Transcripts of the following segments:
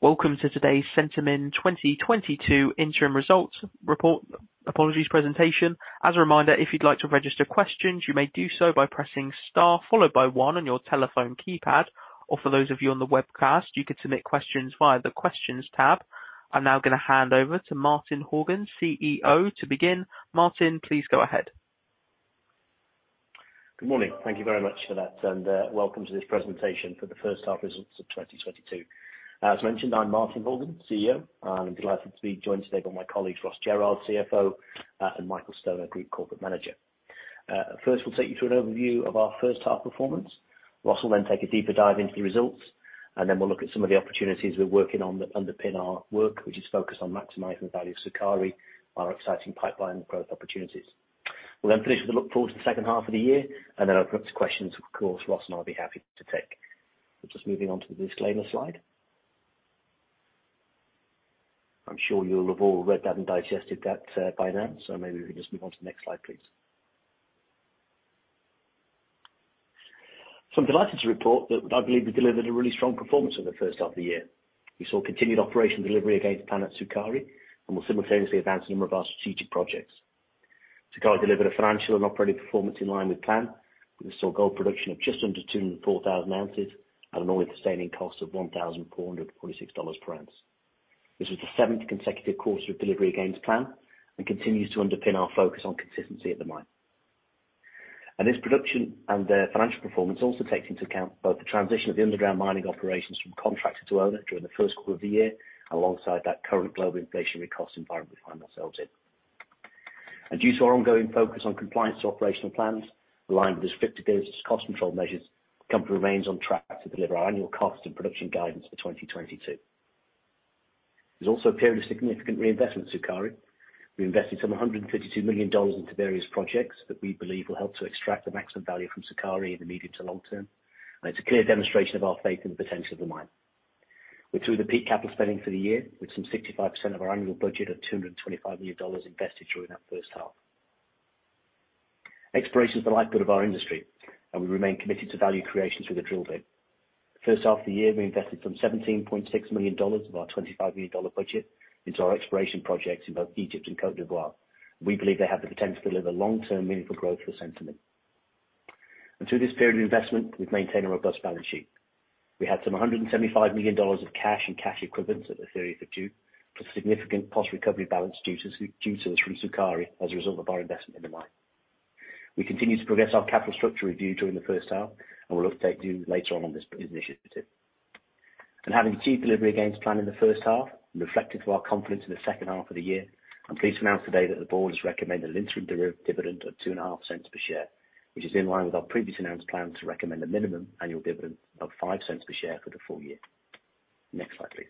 Welcome to today's Centamin 2022 Interim Results Report. Apologies, presentation. As a reminder, if you'd like to register questions, you may do so by pressing star followed by one on your telephone keypad, or for those of you on the webcast, you can submit questions via the Questions tab. I'm now going to hand over to Martin Horgan, CEO, to begin. Martin, please go ahead. Good morning. Thank you very much for that, and welcome to this presentation for the first half results of 2022. As mentioned, I'm Martin Horgan, CEO. I'm delighted to be joined today by my colleague, Ross Jerrard, CFO, and Michael Stoner, our Group Corporate Manager. First, we'll take you through an overview of our first half performance. Ross will then take a deeper dive into the results, and then we'll look at some of the opportunities we're working on that underpin our work, which is focused on maximizing the value of Sukari, our exciting pipeline growth opportunities. We'll then finish with a look forward to the second half of the year, and then open up to questions, of course, Ross and I'll be happy to take. Just moving on to the disclaimer slide. I'm sure you'll have all read that and digested that, by now, so maybe we can just move on to the next slide, please. I'm delighted to report that I believe we delivered a really strong performance over the first half of the year. We saw continued operation delivery against plan at Sukari, and we'll simultaneously advance a number of our strategic projects. Sukari delivered a financial and operating performance in line with plan. We saw gold production of just under 204,000 oz at an all-in sustaining cost of $1,446 per oz. This was the seventh consecutive quarter of delivery against plan and continues to underpin our focus on consistency at the mine. This production and the financial performance also takes into account both the transition of the underground mining operations from contractor to owner during the first quarter of the year, alongside that current global inflationary cost environment we find ourselves in. Due to our ongoing focus on compliance to operational plans, aligned with the strict business cost control measures, the company remains on track to deliver our annual cost and production guidance for 2022. There's also a period of significant reinvestment at Sukari. We invested some $152 million into various projects that we believe will help to extract the maximum value from Sukari in the medium to long term, and it's a clear demonstration of our faith in the potential of the mine. We're through the peak capital spending for the year, with some 65% of our annual budget of $225 million invested during that first half. Exploration is the lifeblood of our industry, and we remain committed to value creation through the drill bit. First half of the year, we invested some $17.6 million of our $25 million budget into our exploration projects in both Egypt and Côte d'Ivoire. We believe they have the potential to deliver long-term meaningful growth for Centamin. Through this period of investment, we've maintained a robust balance sheet. We had some $175 million of cash and cash equivalents at the 30th of June, plus significant post-recovery balance dues, due to us from Sukari as a result of our investment in the mine. We continue to progress our capital structure review during the first half, and we'll update you later on this initiative. Having achieved delivery against plan in the first half and reflective of our confidence in the second half of the year, I'm pleased to announce today that the board has recommended an interim dividend of $0.025 per share, which is in line with our previously announced plan to recommend a minimum annual dividend of $0.05 per share for the full year. Next slide, please.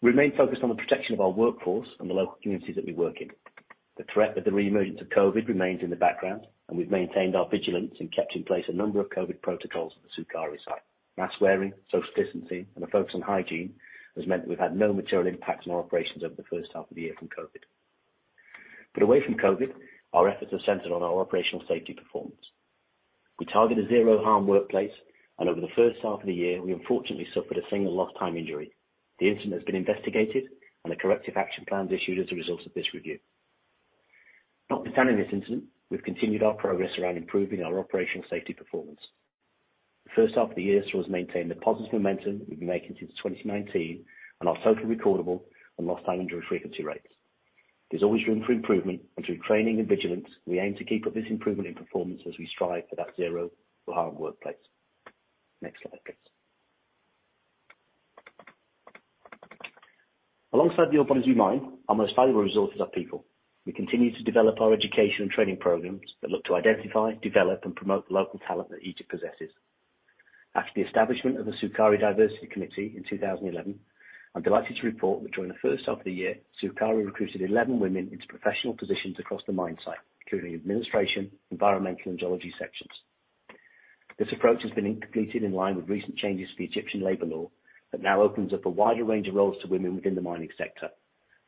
We remain focused on the protection of our workforce and the local communities that we work in. The threat of the reemergence of COVID remains in the background, and we've maintained our vigilance and kept in place a number of COVID protocols at the Sukari site. Mask wearing, social distancing, and a focus on hygiene has meant that we've had no material impacts on our operations over the first half of the year from COVID. Away from COVID, our efforts are centered on our operational safety performance. We target a zero-harm workplace, and over the first half of the year, we unfortunately suffered a single lost time injury. The incident has been investigated and the corrective action plans issued as a result of this review. Notwithstanding this incident, we've continued our progress around improving our operational safety performance. The first half of the year saw us maintain the positive momentum that we've been making since 2019 on our total recordable and lost time injury frequency rates. There's always room for improvement, and through training and vigilance, we aim to keep up this improvement in performance as we strive for that zero-harm workplace. Next slide, please. Alongside the Sukari mine, our most valuable resources are people. We continue to develop our education and training programs that look to identify, develop, and promote the local talent that Egypt possesses. After the establishment of the Sukari Diversity Committee in 2011, I'm delighted to report that during the first half of the year, Sukari recruited 11 women into professional positions across the mine site, including administration, environmental, and geology sections. This approach has been completed in line with recent changes to the Egyptian labor law that now opens up a wider range of roles to women within the mining sector.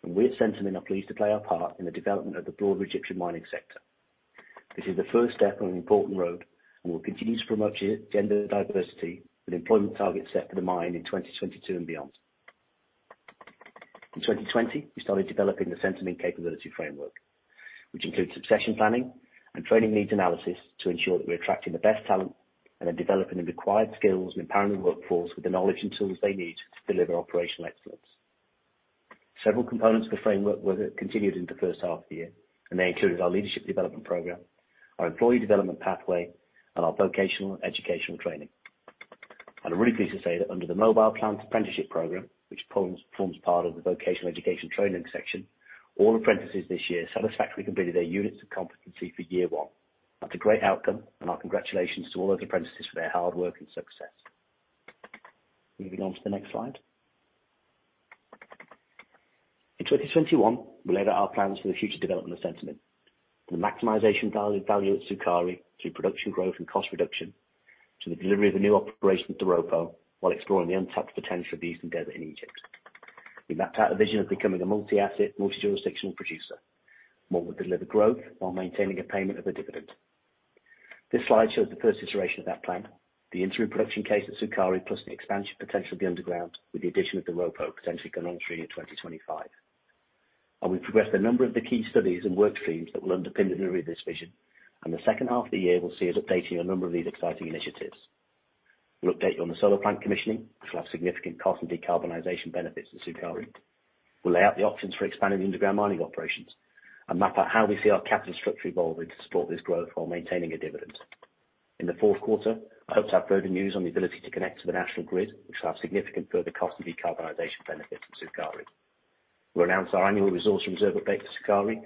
We at Centamin are pleased to play our part in the development of the broader Egyptian mining sector. This is the first step on an important road, and we'll continue to promote gender diversity with employment targets set for the mine in 2022 and beyond. In 2020, we started developing the Centamin Capability Framework, which includes succession planning and training needs analysis to ensure that we're attracting the best talent and are developing the required skills and empowering the workforce with the knowledge and tools they need to deliver operational excellence. Several components of the framework were continued in the first half of the year, and they included our leadership development program, our employee development pathway, and our vocational educational training. I'm really pleased to say that under the Mobile Plant Apprenticeship Program, which forms part of the vocational education training section, all apprentices this year satisfactorily completed their units of competency for year one. That's a great outcome, and our congratulations to all of the apprentices for their hard work and success. Moving on to the next slide. In 2021, we laid out our plans for the future development of Centamin, from the maximizing value at Sukari through production growth and cost reduction, to the delivery of the new operation at Doropo, while exploring the untapped potential of the Eastern Desert in Egypt. We mapped out the vision of becoming a multi-asset, multi-jurisdictional producer, one that would deliver growth while maintaining a payment of a dividend. This slide shows the first iteration of that plan, the interim production case at Sukari, plus the expansion potential of the underground, with the addition of the Doropo potentially going on stream in 2025. We've progressed a number of the key studies and work streams that will underpin the delivery of this vision. The second half of the year will see us updating a number of these exciting initiatives. We'll update you on the solar plant commissioning, which will have significant cost and decarbonization benefits to Sukari. We'll lay out the options for expanding the underground mining operations and map out how we see our capital structure evolving to support this growth while maintaining a dividend. In the fourth quarter, I hope to have further news on the ability to connect to the national grid, which will have significant further cost and decarbonization benefits in Sukari. We'll announce our annual resource reserve update for Sukari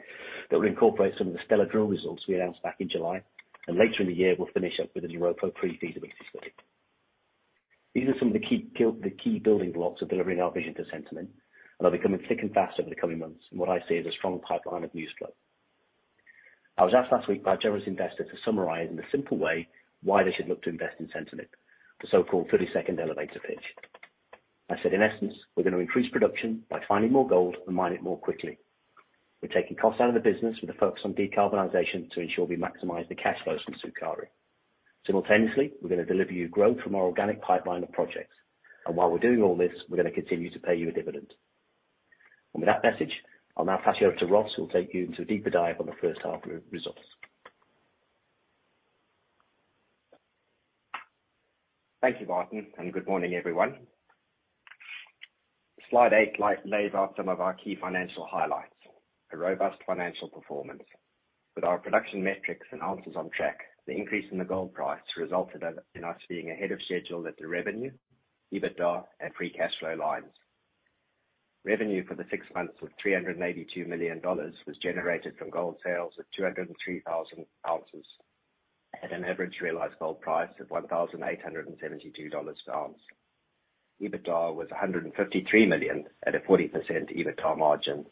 that will incorporate some of the stellar drill results we announced back in July. Later in the year, we'll finish up with a new Doropo pre-feasibility study. These are some of the key building blocks of delivering our vision for Centamin, and are becoming thick and fast over the coming months in what I see as a strong pipeline of new growth. I was asked last week by a generous investor to summarize in a simple way why they should look to invest in Centamin, the so-called 30-second elevator pitch. I said, in essence, we're going to increase production by finding more gold and mine it more quickly. We're taking costs out of the business with a focus on decarbonization to ensure we maximize the cash flows from Sukari. Simultaneously, we're going to deliver you growth from our organic pipeline of projects. While we're doing all this, we're going to continue to pay you a dividend. With that message, I'll now pass you over to Ross, who will take you into a deeper dive on the first half results. Thank you, Martin, and good morning, everyone. Slide 8 highlights some of our key financial highlights, a robust financial performance. With our production metrics and ounces on track, the increase in the gold price resulted in us being ahead of schedule at the revenue, EBITDA and free cash flow lines. Revenue for the six months of $382 million was generated from gold sales of 203,000 oz at an average realized gold price of $1,872 per oz. EBITDA was $153 million at a 40% EBITDA margin.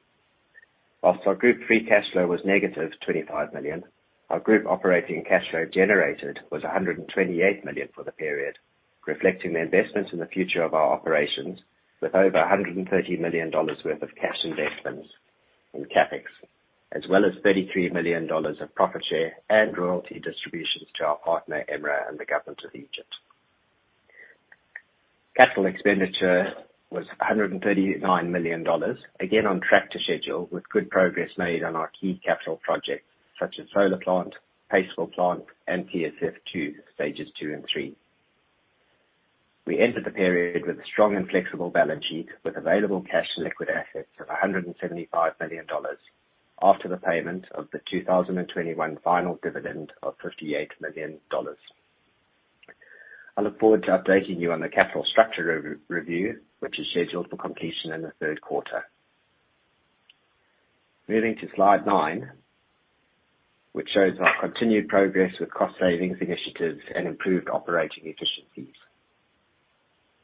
While our group free cash flow was -$25 million, our group operating cash flow generated was $128 million for the period, reflecting the investments in the future of our operations with over $130 million worth of cash investments in CapEx, as well as $33 million of profit share and royalty distributions to our partner, EMRA, and the government of Egypt. Capital expenditure was $139 million, again, on track to schedule with good progress made on our key capital projects such as solar plant, paste plant, and TSF2, Stages 2 and 3. We entered the period with a strong and flexible balance sheet with available cash and liquid assets of $175 million after the payment of the 2021 final dividend of $58 million. I look forward to updating you on the capital structure review, which is scheduled for completion in the third quarter. Moving to slide 9, which shows our continued progress with cost savings initiatives and improved operating efficiencies.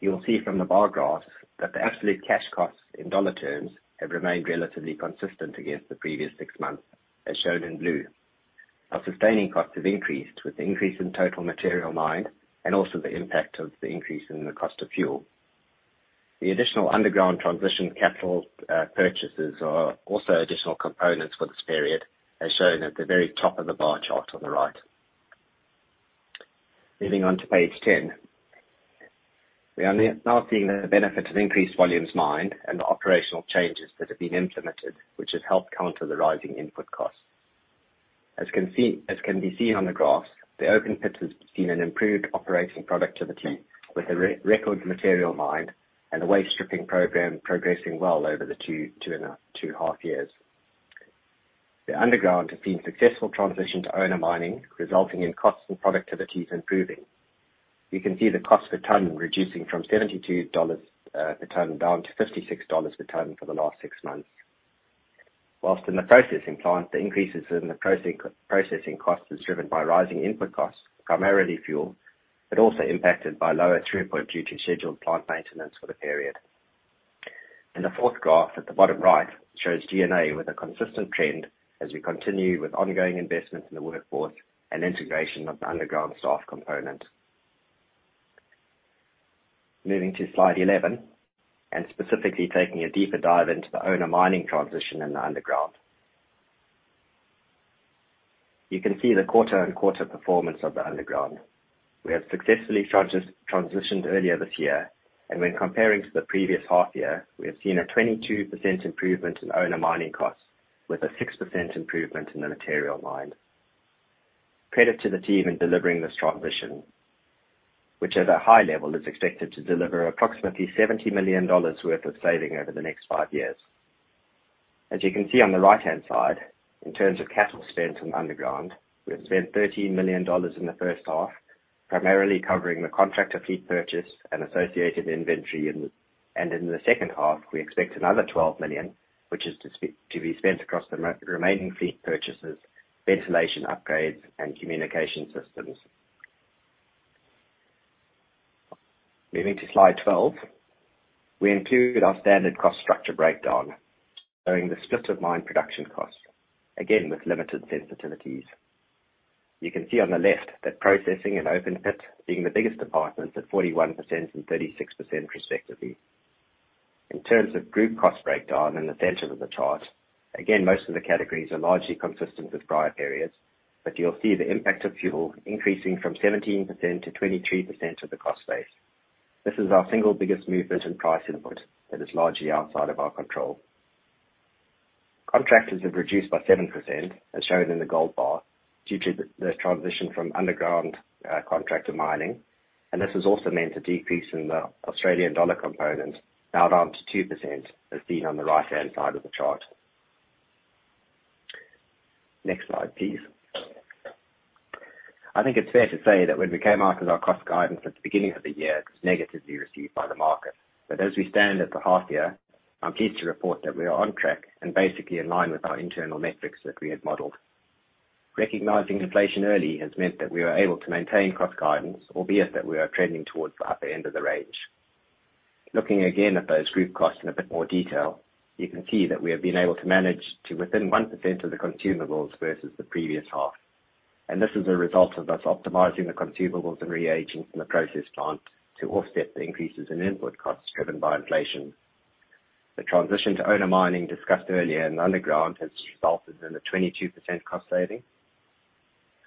You'll see from the bar graphs that the absolute cash costs in dollar terms have remained relatively consistent against the previous six months, as shown in blue. Our sustaining cost has increased with the increase in total material mined and also the impact of the increase in the cost of fuel. The additional underground transition capital purchases are also additional components for this period, as shown at the very top of the bar chart on the right. Moving on to page 10. We are now seeing the benefit of increased volumes mined and the operational changes that have been implemented, which has helped counter the rising input costs. As can be seen on the graphs, the open pits have seen an improved operating productivity with a record material mined and the waste stripping program progressing well over the two and half years. The underground has seen successful transition to owner mining, resulting in costs and productivities improving. You can see the cost per ton reducing from $72 per ton down to $56 per ton for the last six months. While in the processing plant, the increases in the processing cost is driven by rising input costs, primarily fuel, but also impacted by lower throughput due to scheduled plant maintenance for the period. In the fourth graph at the bottom right shows G&A with a consistent trend as we continue with ongoing investments in the workforce and integration of the underground staff component. Moving to slide 11, and specifically taking a deeper dive into the owner mining transition in the underground. You can see the quarter-on-quarter performance of the underground. We have successfully transitioned earlier this year, and when comparing to the previous half year, we have seen a 22% improvement in owner mining costs with a 6% improvement in the material mined. Credit to the team in delivering this transition, which at a high level is expected to deliver approximately $70 million worth of saving over the next five years. As you can see on the right-hand side, in terms of capital spent on underground, we have spent $13 million in the first half, primarily covering the contractor fleet purchase and associated inventory in. In the second half, we expect another $12 million, which is to be spent across the remaining fleet purchases, ventilation upgrades, and communication systems. Moving to slide 12. We include our standard cost structure breakdown, showing the split of mine production costs, again with limited sensitivities. You can see on the left that processing and open pit being the biggest departments at 41% and 36% respectively. In terms of group cost breakdown in the center of the chart, again, most of the categories are largely consistent with prior periods, but you'll see the impact of fuel increasing from 17% to 23% of the cost base. This is our single biggest movement in price input that is largely outside of our control. Contractors have reduced by 7%, as shown in the gold bar, due to the transition from underground contract to mining. This has also meant a decrease in the Australian dollar component, now down to 2% as seen on the right-hand side of the chart. Next slide, please. I think it's fair to say that when we came out with our cost guidance at the beginning of the year, it was negatively received by the market. As we stand at the half year, I'm pleased to report that we are on track and basically in line with our internal metrics that we had modeled. Recognizing inflation early has meant that we were able to maintain cost guidance, albeit that we are trending towards the upper end of the range. Looking again at those group costs in a bit more detail, you can see that we have been able to manage to within 1% of the consumables versus the previous half. This is a result of us optimizing the consumables and reagents from the process plant to offset the increases in input costs driven by inflation. The transition to owner mining discussed earlier and underground has resulted in a 22% cost saving.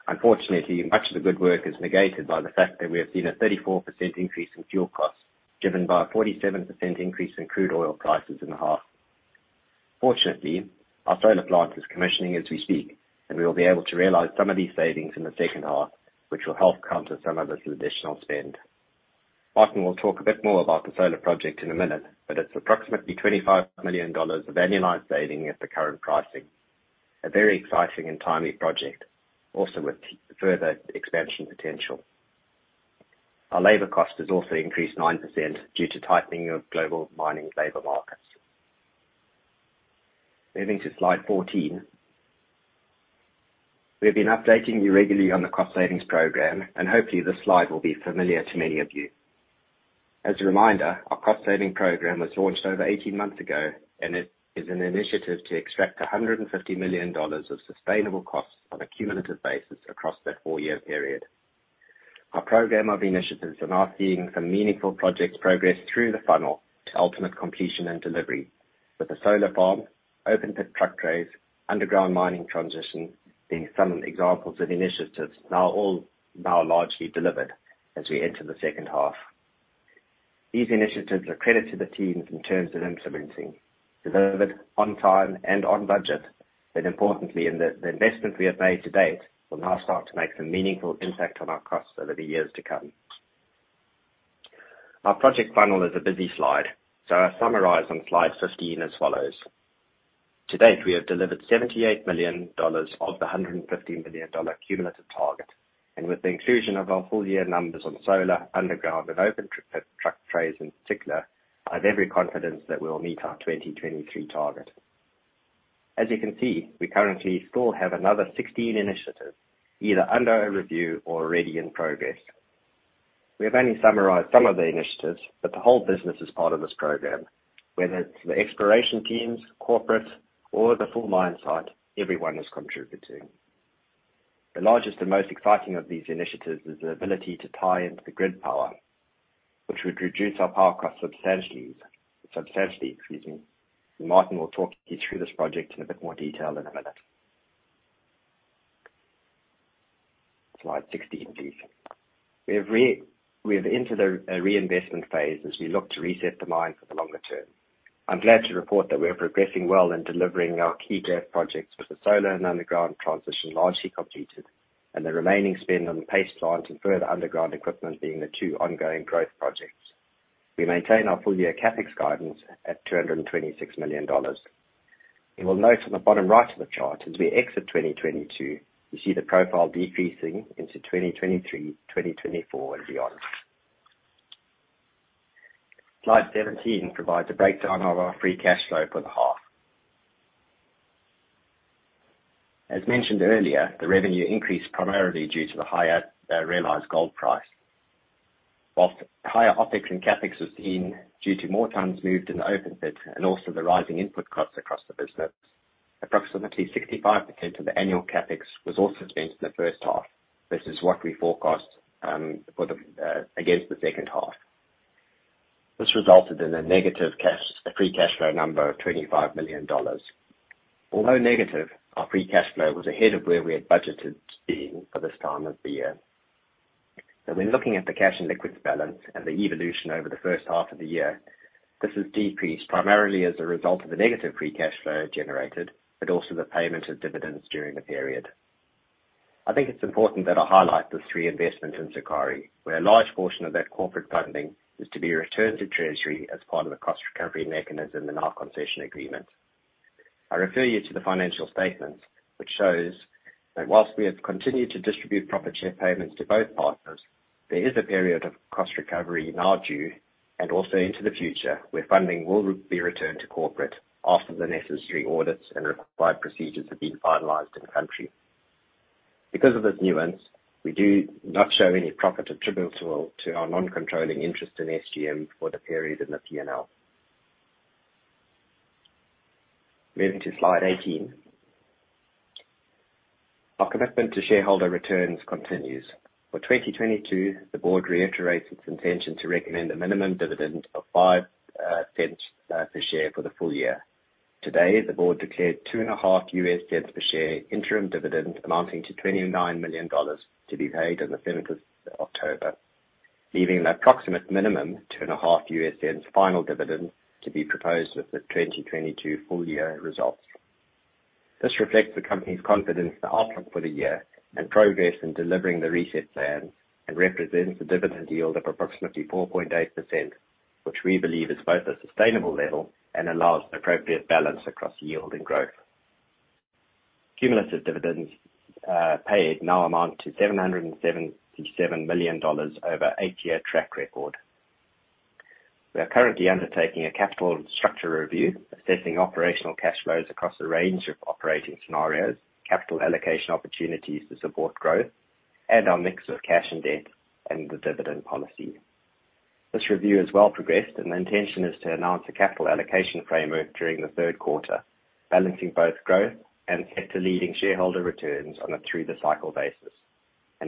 Unfortunately, much of the good work is negated by the fact that we have seen a 34% increase in fuel costs, driven by a 47% increase in crude oil prices in the first half. Fortunately, our solar plant is commissioning as we speak, and we will be able to realize some of these savings in the second half, which will help counter some of this additional spend. Martin will talk a bit more about the solar project in a minute, but it's approximately $25 million of annualized saving at the current pricing. A very exciting and timely project, also with further expansion potential. Our labor cost has also increased 9% due to tightening of global mining labor markets. Moving to slide 14. We've been updating you regularly on the cost savings program, and hopefully this slide will be familiar to many of you. As a reminder, our cost saving program was launched over 18 months ago, and it is an initiative to extract $150 million of sustainable costs on a cumulative basis across that four-year period. Our program of initiatives are now seeing some meaningful projects progress through the funnel to ultimate completion and delivery with the solar farm, open pit truck trays, underground mining transition, being some examples of initiatives now largely delivered as we enter the second half. These initiatives are credited to the teams in terms of implementing, delivered on time and on budget, but importantly in the investment we have made to date, will now start to make some meaningful impact on our costs over the years to come. Our project funnel is a busy slide, so I summarize on slide 15 as follows. To date, we have delivered $78 million of the $150 million cumulative target. With the inclusion of our full year numbers on solar, underground and open pit truck trays in particular, I have every confidence that we'll meet our 2023 target. As you can see, we currently still have another 16 initiatives, either under review or already in progress. We have only summarized some of the initiatives, but the whole business is part of this program. Whether it's the exploration teams, corporate or the full mine site, everyone is contributing. The largest and most exciting of these initiatives is the ability to tie into the grid power, which would reduce our power costs substantially, excuse me. Martin will talk you through this project in a bit more detail in a minute. Slide 16, please. We have entered a reinvestment phase as we look to reset the mine for the longer term. I'm glad to report that we are progressing well in delivering our key growth projects with the solar and underground transition largely completed, and the remaining spend on the paste plant and further underground equipment being the two ongoing growth projects. We maintain our full-year CapEx guidance at $226 million. You will note from the bottom right of the chart, as we exit 2022, you see the profile decreasing into 2023, 2024 and beyond. Slide 17 provides a breakdown of our free cash flow for the half. As mentioned earlier, the revenue increased primarily due to the higher realized gold price. While higher OpEx and CapEx was seen due to more tons moved in the open pit and also the rising input costs across the business, approximately 65% of the annual CapEx was also spent in the first half. This is what we forecast against the second half. This resulted in a negative free cash flow number of $25 million. Although negative, our free cash flow was ahead of where we had budgeted to be for this time of the year. Now when looking at the cash and liquidity balance and the evolution over the first half of the year, this has decreased primarily as a result of the negative free cash flow generated, but also the payment of dividends during the period. I think it's important that I highlight the three investments in Sukari, where a large portion of that corporate funding is to be returned to treasury as part of a cost recovery mechanism in our concession agreement. I refer you to the financial statements which shows that while we have continued to distribute profit share payments to both partners, there is a period of cost recovery now due, and also into the future, where funding will be returned to corporate after the necessary audits and required procedures have been finalized in-country. Because of this nuance, we do not show any profit attributable to our non-controlling interest in SGM for the period in the P&L. Moving to slide 18. Our commitment to shareholder returns continues. For 2022, the board reiterates its intention to recommend a minimum dividend of $0.05 per share for the full year. Today, the board declared $0.025 unit per share interim dividend amounting to $29 million to be paid on the seventh of October, leaving an approximate minimum $0.025 final dividend to be proposed with the 2022 full year results. This reflects the company's confidence in the outlook for the year and progress in delivering the reset plan, and represents the dividend yield of approximately 4.8%, which we believe is both a sustainable level and allows appropriate balance across yield and growth. Cumulative dividends paid now amount to $777 million over 8-year track record. We are currently undertaking a capital structure review, assessing operational cash flows across a range of operating scenarios, capital allocation opportunities to support growth, and our mix of cash and debt, and the dividend policy. This review has well progressed, and the intention is to announce a capital allocation framework during the third quarter, balancing both growth and sector-leading shareholder returns on a through-the-cycle basis.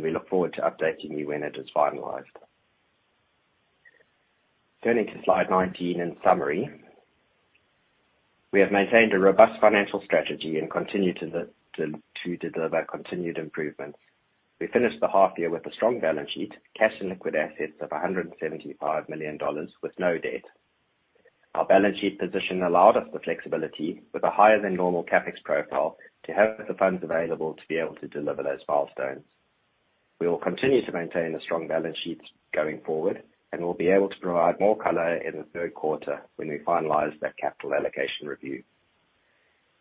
We look forward to updating you when it is finalized. Turning to slide 19, in summary, we have maintained a robust financial strategy and continue to deliver continued improvements. We finished the half year with a strong balance sheet, cash and liquid assets of $175 million with no debt. Our balance sheet position allowed us the flexibility with a higher-than-normal CapEx profile to have the funds available to be able to deliver those milestones. We will continue to maintain a strong balance sheet going forward, and we'll be able to provide more color in the third quarter when we finalize that capital allocation review.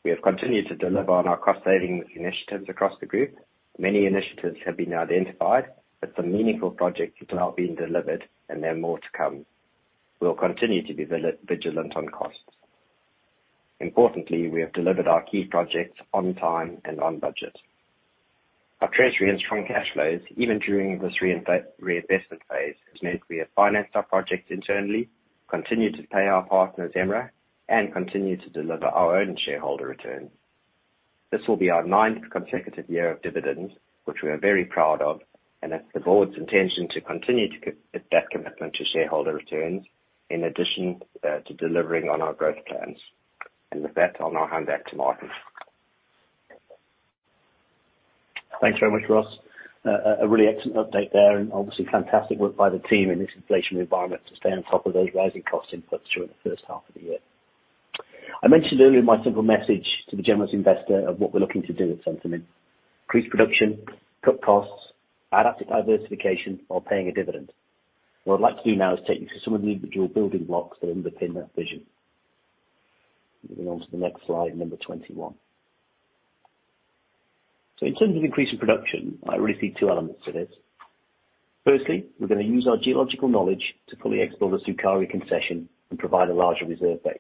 We have continued to deliver on our cost-saving initiatives across the group. Many initiatives have been identified, but some meaningful projects have now been delivered, and there are more to come. We'll continue to be vigilant on costs. Importantly, we have delivered our key projects on time and on budget. Our treasury and strong cash flows, even during this reinvestment phase, has meant we have financed our projects internally, continued to pay our partners, EMRA, and continued to deliver our own shareholder returns. This will be our ninth consecutive year of dividends, which we are very proud of, and it's the board's intention to continue to keep that commitment to shareholder returns in addition to delivering on our growth plans. With that, I'll now hand back to Martin. Thanks very much, Ross. A really excellent update there, and obviously fantastic work by the team in this inflationary environment to stay on top of those rising cost inputs during the first half of the year. I mentioned earlier my simple message to the generous investor of what we're looking to do at Centamin: increase production, cut costs, add active diversification while paying a dividend. What I'd like to do now is take you through some of the individual building blocks that underpin that vision. Moving on to the next slide, number 21. In terms of increasing production, I really see two elements to this. Firstly, we're going to use our geological knowledge to fully explore the Sukari concession and provide a larger reserve base.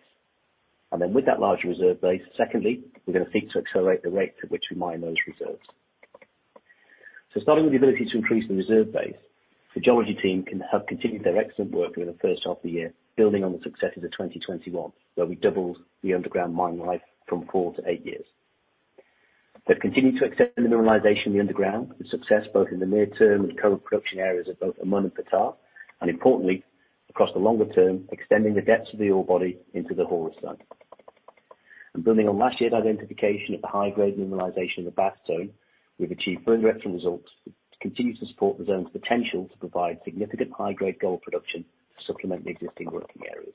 With that larger reserve base, secondly, we're going to seek to accelerate the rate at which we mine those reserves. Starting with the ability to increase the reserve base, the geology team have continued their excellent work within the first half of the year, building on the successes of 2021, where we doubled the underground mine life from 4 to 8 years. They've continued to extend the mineralization in the underground with success both in the near term and current production areas of both Amun and Ptah, and importantly, across the longer term, extending the depths of the ore body into the Horus zone. Building on last year's identification of the high-grade mineralization of the Bast Zone, we've achieved brilliant recent results to continue to support the zone's potential to provide significant high-grade gold production to supplement the existing working areas.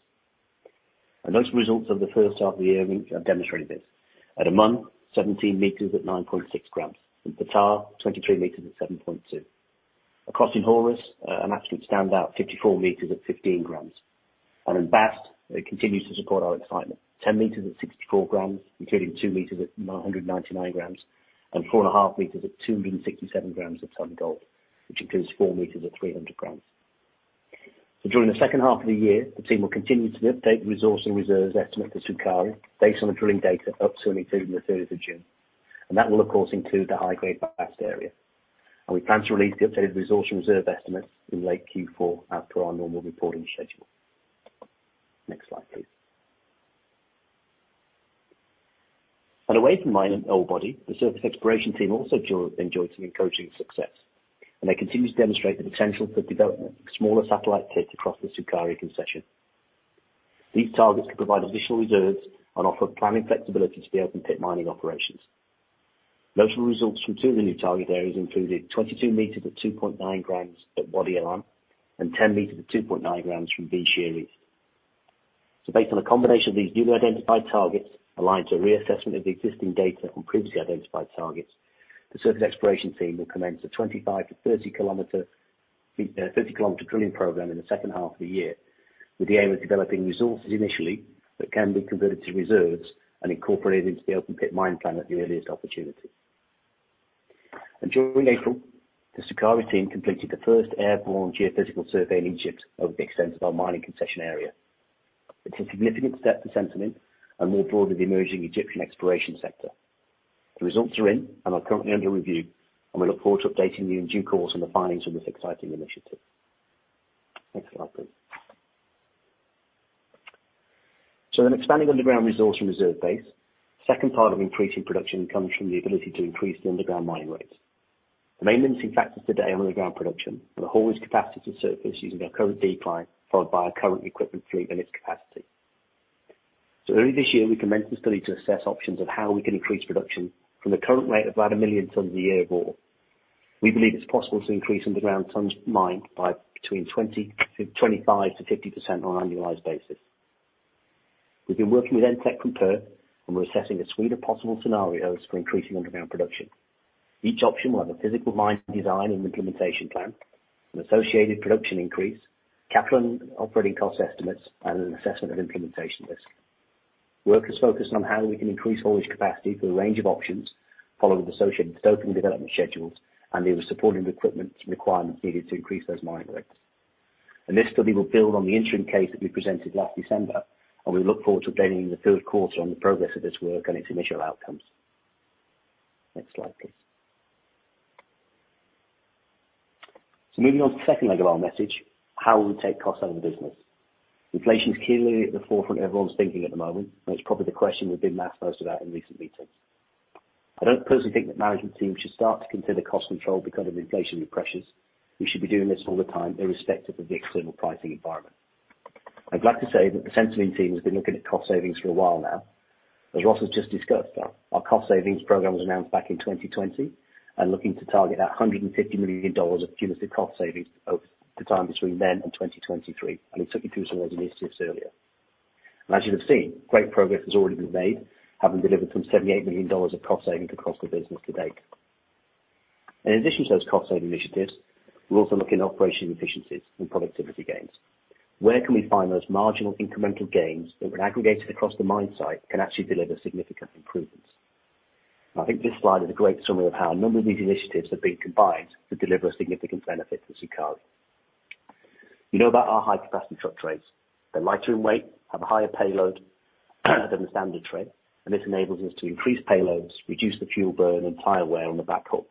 Those results of the first half of the year have demonstrated this. At Amun, 17 m at 9.6 g. In Ptah, 23 m at 7.2 g. Across in Horus, an absolute standout, 54 m at 15 g. In Bast, it continues to support our excitement. 10 m at 64 g, including 2 m at 999 g, and 4.5 m at 267 g per ton gold, which includes 4 m at 300 g. During the second half of the year, the team will continue to update the resource and reserves estimate for Sukari based on the drilling data up to and including the 30th of June. That will of course include the high-grade Bast area. We plan to release the updated resource and reserve estimates in late Q4 as per our normal reporting schedule. Next slide, please. Away from mining ore body, the surface exploration team also enjoyed some encouraging success, and they continue to demonstrate the potential for development of smaller satellite pits across the Sukari concession. These targets can provide additional reserves and offer planning flexibility to the open pit mining operations. Noteworthy results from two of the new target areas included 22 m at 2.9 g at Wadi Alam, and 10 m at 2.9 g from V-Shear East. Based on a combination of these newly identified targets aligned to a reassessment of the existing data from previously identified targets, the surface exploration team will commence a 25-30-km drilling program in the second half of the year with the aim of developing resources initially that can be converted to reserves and incorporated into the open pit mine plan at the earliest opportunity. During April, the Sukari team completed the first airborne geophysical survey in Egypt over the extent of our mining concession area. It's a significant step for Centamin and more broadly, the emerging Egyptian exploration sector. The results are in and are currently under review, and we look forward to updating you in due course on the findings from this exciting initiative. Next slide, please. In expanding underground resource and reserve base, second part of increasing production comes from the ability to increase the underground mining rates. The main limiting factors today on underground production are the haulage capacity to surface using our current decline, followed by our current equipment fleet and its capacity. Early this year, we commenced a study to assess options of how we can increase production from the current rate of about 1 million tons a year of ore. We believe it's possible to increase underground tons mined by between 20 to 25 to 50% on an annualized basis. We've been working with Entech from Perth, and we're assessing a suite of possible scenarios for increasing underground production. Each option will have a physical mine design and implementation plan, an associated production increase, capital and operating cost estimates, and an assessment of implementation risk. Work is focused on how we can increase haulage capacity through a range of options, followed with associated scoping development schedules, and the supporting equipment requirements needed to increase those mining rates. This study will build on the interim case that we presented last December, and we look forward to updating you in the third quarter on the progress of this work and its initial outcomes. Next slide, please. Moving on to the second leg of our message, how we take cost out of the business. Inflation is clearly at the forefront of everyone's thinking at the moment, and it's probably the question we've been asked most about in recent meetings. I don't personally think that management teams should start to consider cost control because of inflationary pressures. We should be doing this all the time, irrespective of the external pricing environment. I'd like to say that the Centamin team has been looking at cost savings for a while now. As Ross has just discussed, our cost savings program was announced back in 2020 and looking to target that $150 million of cumulative cost savings over the time between then and 2023. He took you through some of those initiatives earlier. As you'd have seen, great progress has already been made, having delivered some $78 million of cost savings across the business to date. In addition to those cost saving initiatives, we're also looking at operational efficiencies and productivity gains. Where can we find those marginal incremental gains that when aggregated across the mine site, can actually deliver significant improvements? I think this slide is a great summary of how a number of these initiatives have been combined to deliver a significant benefit to Sukari. You know about our high-capacity truck trays. They're lighter in weight, have a higher payload than the standard tray, and this enables us to increase payloads, reduce the fuel burn and tire wear on the backhoe.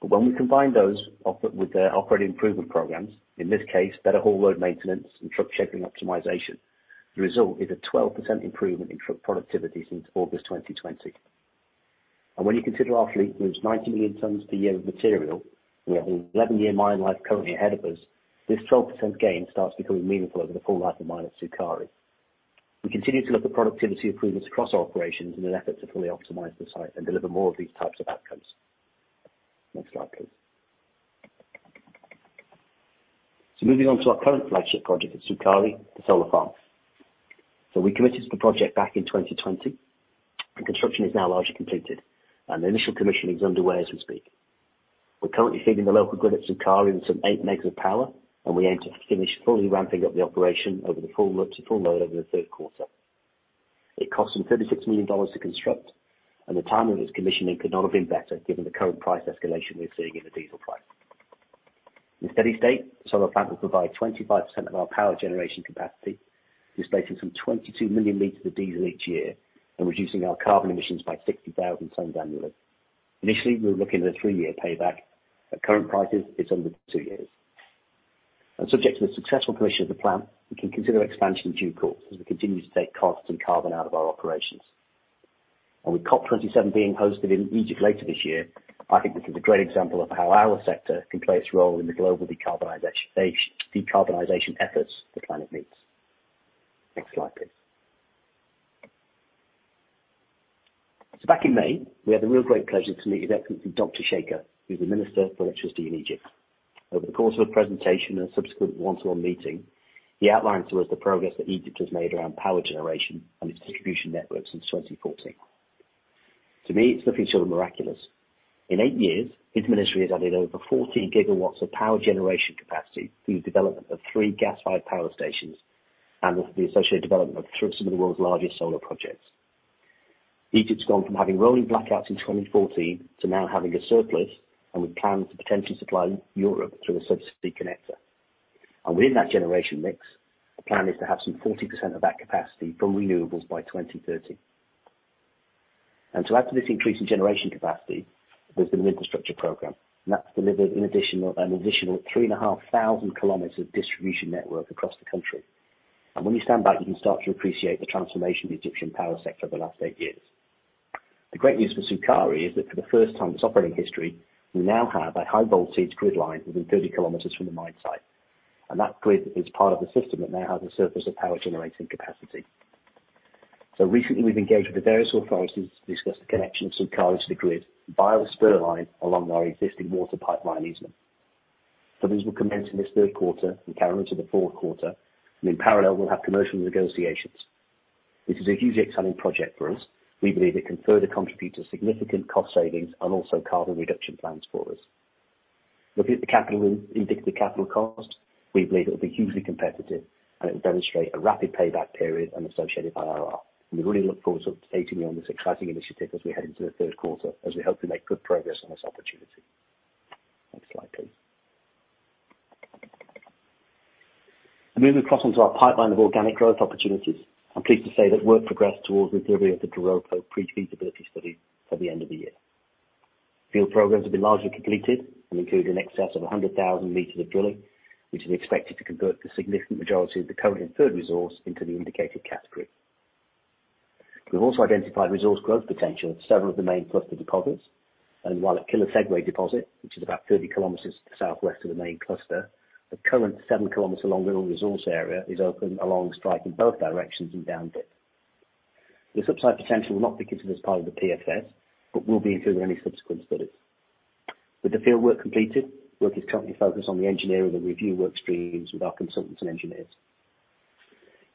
When we combine those with the operating improvement programs, in this case, better haul road maintenance and truck shaping optimization, the result is a 12% improvement in truck productivity since August 2020. When you consider our fleet moves 90 million tons per year of material, and we have an 11-year mine life currently ahead of us, this 12% gain starts becoming meaningful over the full life of mine at Sukari. We continue to look at productivity improvements across our operations in an effort to fully optimize the site and deliver more of these types of outcomes. Next slide, please. Moving on to our current flagship project at Sukari, the solar farm. We committed to the project back in 2020, and construction is now largely completed. The initial commissioning is underway as we speak. We're currently feeding the local grid at Sukari with some 8 MW of power, and we aim to finish fully ramping up the operation over to full load over the third quarter. It cost some $36 million to construct, and the timing of this commissioning could not have been better given the current price escalation we're seeing in the diesel price. In steady state, the solar farm will provide 25% of our power generation capacity, displacing some 22 million L of diesel each year and reducing our carbon emissions by 60,000 tons annually. Initially, we were looking at a three-year payback. At current prices, it's under two years. Subject to the successful commissioning of the plant, we can consider expansion in due course as we continue to take costs and carbon out of our operations. With COP27 being hosted in Egypt later this year, I think this is a great example of how our sector can play its role in the global decarbonization efforts the planet needs. Next slide, please. Back in May, we had the really great pleasure to meet His Excellency, Dr. Shaker, who's the Minister for Electricity in Egypt. Over the course of a presentation and a subsequent one-to-one meeting, he outlined to us the progress that Egypt has made around power generation and its distribution network since 2014. To me, it's nothing short of miraculous. In eight years, his ministry has added over 14 GW of power generation capacity through the development of three gas-fired power stations and the associated development of some of the world's largest solar projects. Egypt's gone from having rolling blackouts in 2014 to now having a surplus, and with plans to potentially supply Europe through a subsea connector. Within that generation mix, the plan is to have some 40% of that capacity from renewables by 2030. To add to this increase in generation capacity, there's been an infrastructure program, and that's delivered an additional 3,500 km of distribution network across the country. When you stand back, you can start to appreciate the transformation of the Egyptian power sector over the last eight years. The great news for Sukari is that for the first time in its operating history, we now have a high voltage grid line within 30 km from the mine site. That grid is part of the system that now has a surplus of power generating capacity. Recently, we've engaged with the various authorities to discuss the connection of Sukari to the grid via the spur line along our existing water pipeline easement. These will commence in this third quarter and carry on to the fourth quarter. In parallel, we'll have commercial negotiations. This is a hugely exciting project for us. We believe it can further contribute to significant cost savings and also carbon reduction plans for us. Looking at the initial capital cost, we believe it'll be hugely competitive, and it will demonstrate a rapid payback period and associated IRR. We really look forward to updating you on this exciting initiative as we head into the third quarter, as we hope to make good progress on this opportunity. Next slide, please. Moving across onto our pipeline of organic growth opportunities, I'm pleased to say that work progressed towards the delivery of the Doropo pre-feasibility study by the end of the year. Field programs have been largely completed and include in excess of 100,000 m of drilling, which is expected to convert the significant majority of the current inferred resource into the indicated category. We've also identified resource growth potential at several of the main cluster deposits, and while at Kéréségué deposit, which is about 30 km southwest of the main cluster, the current 7-km long mineral resource area is open along strike in both directions and down dip. The upside potential will not be considered as part of the PFS, but will be included in any subsequent studies. With the field work completed, work is currently focused on the engineering and the review work streams with our consultants and engineers.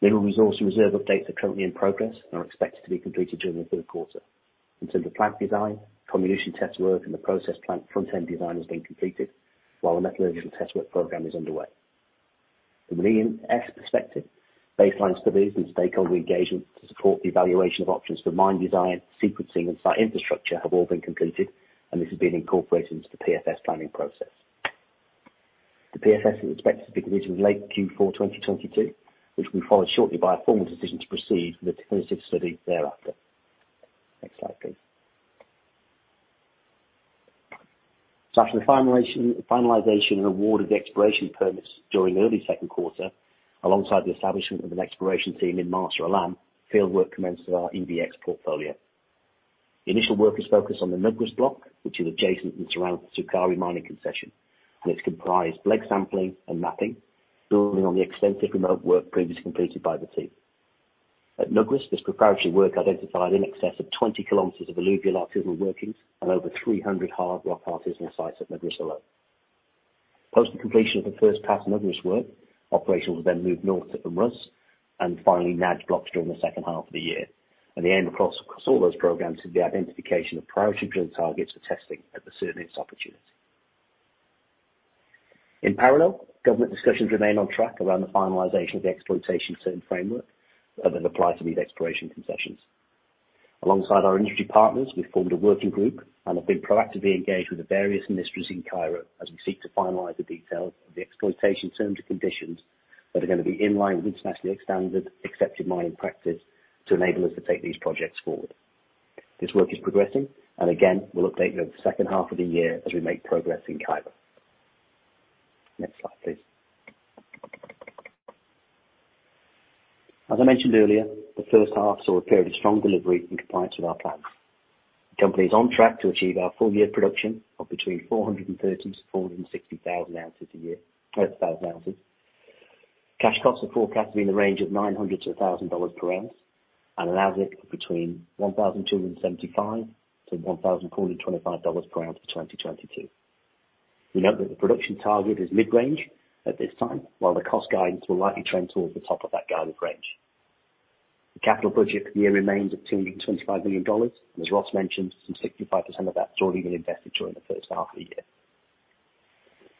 Mineral resource and reserve updates are currently in progress and are expected to be completed during the third quarter. In terms of plant design, comminution test work and the process plant front-end design has been completed while a metallurgical test work program is underway. From an ESF perspective, baseline studies and stakeholder engagement to support the evaluation of options for mine design, sequencing, and site infrastructure have all been completed, and this is being incorporated into the PFS planning process. The PFS is expected to be completed late Q4 2022, which will be followed shortly by a formal decision to proceed with the definitive study thereafter. Next slide, please. After the finalization and award of the exploration permits during the early second quarter, alongside the establishment of an exploration team in Marsa Alam, fieldwork commenced with our EDX portfolio. The initial work is focused on the Nugrus Block, which is adjacent and surrounds the Sukari mining concession, and it's comprising lag sampling and mapping, building on the extensive remote work previously completed by the team. At Nugrus, this preparatory work identified in excess of 20 km of alluvial artisanal workings and over 300 hard rock artisanal sites at Nugrus alone. Post the completion of the first pass Nugrus work, operations will then move north to Um Rus and finally Najd Blocks during the second half of the year. The aim across all those programs is the identification of priority drill targets for testing at the soonest opportunity. In parallel, government discussions remain on track around the finalization of the exploitation term framework that applies to these exploration concessions. Alongside our industry partners, we've formed a working group and have been proactively engaged with the various ministries in Cairo as we seek to finalize the details of the exploitation terms and conditions that are going to be in line with internationally accepted mining practice to enable us to take these projects forward. This work is progressing, and again, we'll update you over the second half of the year as we make progress in Cairo. Next slide, please. As I mentioned earlier, the first half saw a period of strong delivery in compliance with our plans. The company is on track to achieve our full-year production of between 430-460 thousand oz a year. Cash costs are forecasted in the range of $900-$1,000 per ounce and an AISC of between $1,275-$1,425 per oz for 2022. We note that the production target is mid-range at this time, while the cost guidance will likely trend towards the top of that guidance range. The capital budget for the year remains at $225 million, and as Ross mentioned, some 65% of that has already been invested during the first half of the year.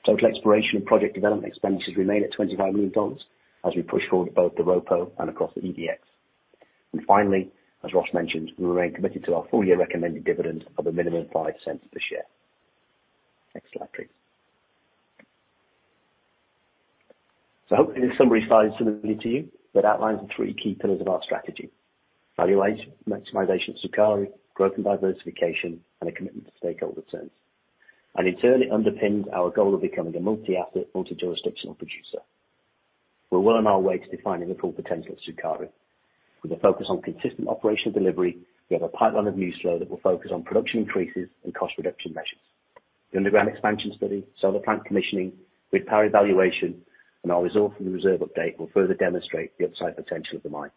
Total exploration and project development expenditures remain at $25 million as we push forward both the Doropo and across the EDX. Finally, as Ross mentioned, we remain committed to our full-year recommended dividend of a minimum of $0.05 per share. Next slide, please. Hopefully this summary slide is familiar to you, but outlines the three key pillars of our strategy: value realization, maximization of Sukari, growth and diversification, and a commitment to stakeholder returns. In turn, it underpins our goal of becoming a multi-asset, multi-jurisdictional producer. We're well on our way to defining the full potential of Sukari. With a focus on consistent operational delivery, we have a pipeline of news flow that will focus on production increases and cost reduction measures. The underground expansion study, solar plant commissioning, grid power evaluation, and our reserve update will further demonstrate the upside potential of the mine.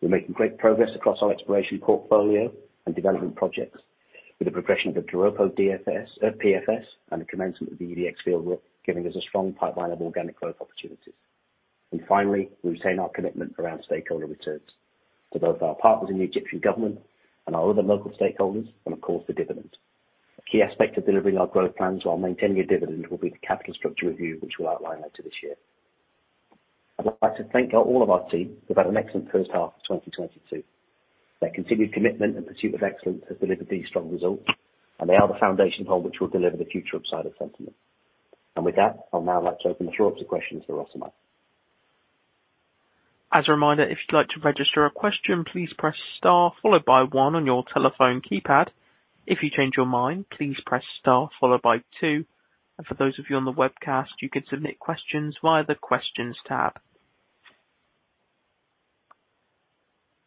We're making great progress across our exploration portfolio and development projects with the progression of the Doropo DFS, PFS and the commencement of the EDX field work, giving us a strong pipeline of organic growth opportunities. Finally, we retain our commitment around stakeholder returns to both our partners in the Egyptian government and our other local stakeholders and of course the dividend. A key aspect of delivering our growth plans while maintaining a dividend will be the capital structure review which we'll outline later this year. I'd like to thank all of our team who've had an excellent first half of 2022. Their continued commitment and pursuit of excellence has delivered these strong results, and they are the foundation of which will deliver the future upside of Centamin. With that, I'll now like to open the floor up to questions for Ross and I. As a reminder, if you'd like to register a question, please press star followed by one on your telephone keypad. If you change your mind, please press star followed by two. For those of you on the webcast, you can submit questions via the Questions tab.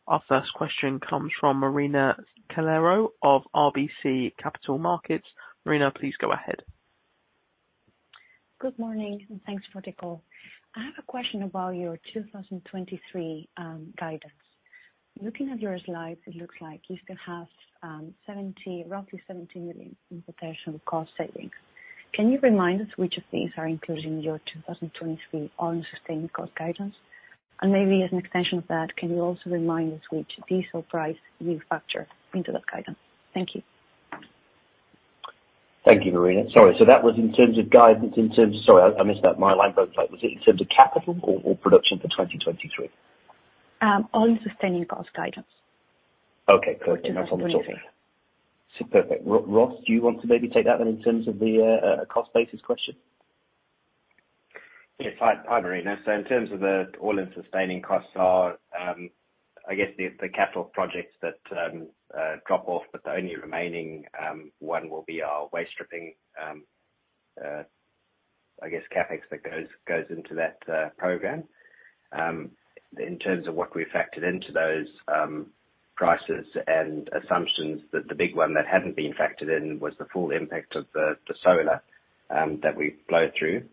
Our first question comes from Marina Calero of RBC Capital Markets. Marina, please go ahead. Good morning, and thanks for the call. I have a question about your 2023 guidance. Looking at your slides, it looks like you still have roughly $70 million in potential cost savings. Can you remind us which of these are included in your 2023 all-in sustaining cost guidance? Maybe as an extension of that, can you also remind us which diesel price you factor into that guidance? Thank you. Thank you, Marina. Sorry. That was in terms of guidance. Sorry, I missed that. My line broke up. Was it in terms of capital or production for 2023? All-in sustaining cost guidance. Okay, perfect. That's what I'm talking about. Perfect. Ross, do you want to maybe take that then in terms of the cost basis question? Yes. Hi, Marina. In terms of the all-in sustaining costs, I guess the capital projects that drop off, but the only remaining one will be our waste stripping, I guess CapEx that goes into that program. In terms of what we factored into those prices and assumptions, the big one that hadn't been factored in was the full impact of the solar that we've blown through.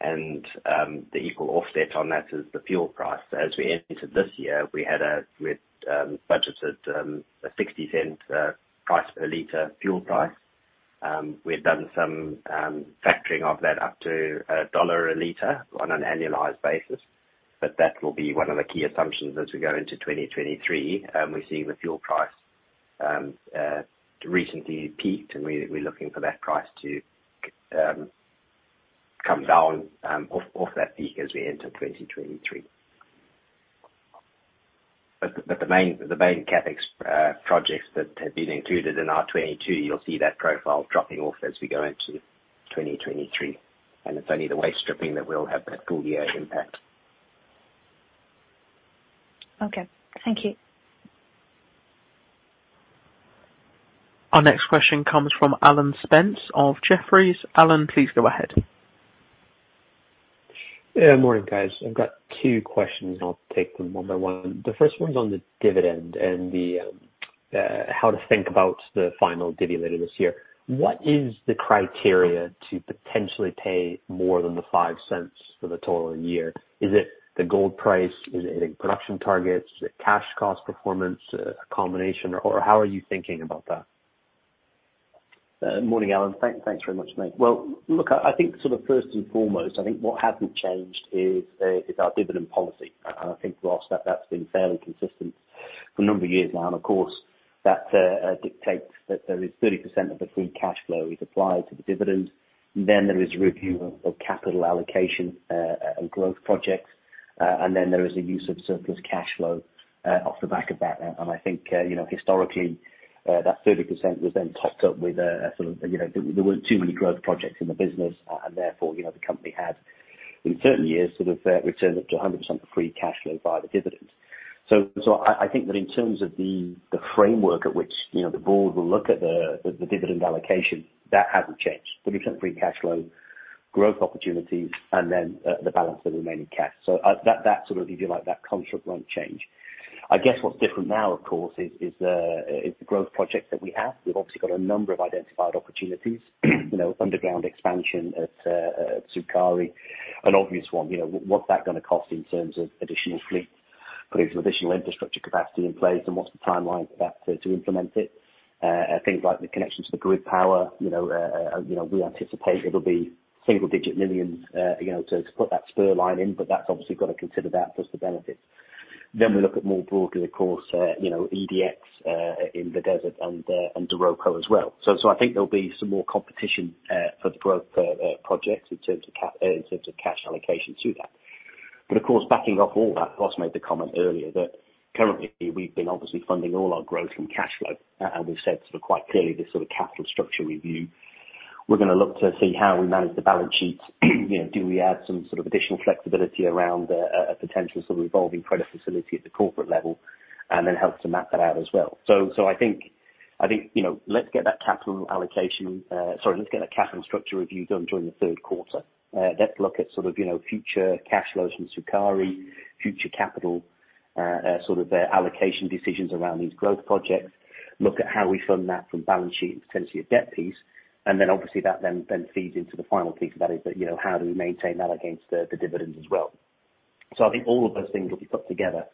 The equal offset on that is the fuel price. As we entered this year, we had budgeted a $0.60 price per L fuel price. We had done some factoring of that up to a $1 a L on an annualized basis, but that will be one of the key assumptions as we go into 2023. We're seeing the fuel price recently peaked, and we're looking for that price to come down off that peak as we enter 2023. The main CapEx projects that have been included in our 2022, you'll see that profile dropping off as we go into 2023. It's only the waste stripping that will have that full year impact. Okay. Thank you. Our next question comes from Alan Spence of Jefferies. Alan, please go ahead. Yeah. Morning, guys. I've got two questions and I'll take them one by one. The first one's on the dividend and the how to think about the final dividend this year. What is the criteria to potentially pay more than the $0.05 for the total year? Is it the gold price? Is it in production targets? Is it cash cost performance, a combination, or how are you thinking about that? Morning, Alan. Thanks very much, mate. Well, look, I think sort of first and foremost, I think what hasn't changed is our dividend policy. I think for us, that's been fairly consistent for a number of years now. Of course, that dictates that there is 30% of the free cash flow is applied to the dividends. There is review of capital allocation and growth projects. There is a use of surplus cash flow off the back of that. I think you know, historically, that 30% was then topped up with a sort of, you know, there weren't too many growth projects in the business. Therefore, you know, the company had in certain years sort of returned up to 100% of free cash flow via the dividends. I think that in terms of the framework at which, you know, the board will look at the dividend allocation, that hasn't changed. 30% free cash flow, growth opportunities, and then the balance, the remaining cash. That sort of, if you like, that contract won't change. I guess what's different now, of course, is the growth projects that we have. We've obviously got a number of identified opportunities, you know, underground expansion at Sukari, an obvious one. You know, what's that going to cost in terms of additional fleet? Putting some additional infrastructure capacity in place, and what's the timeline for that to implement it? Things like the connection to the grid power, you know, we anticipate it'll be single-digit millions, you know, to put that spur line in, but that's obviously got to consider that versus the benefits. We look at more broadly, of course, you know, EDX in the desert and Doropo as well. I think there'll be some more competition for the growth projects in terms of cash allocation to that. Of course, backing off all that, Ross made the comment earlier that currently we've been obviously funding all our growth and cash flow, and we've said sort of quite clearly this sort of capital structure review. We're going to look to see how we manage the balance sheets. You know, do we add some sort of additional flexibility around a potential sort of revolving credit facility at the corporate level, and then help to map that out as well. I think, you know, let's get that capital structure review done during the third quarter. Let's look at sort of, you know, future cash flows from Sukari, future capital, sort of allocation decisions around these growth projects, look at how we fund that from balance sheet and potentially a debt piece. Obviously that feeds into the final piece. That is that, you know, how do we maintain that against the dividends as well. I think all of those things will be put together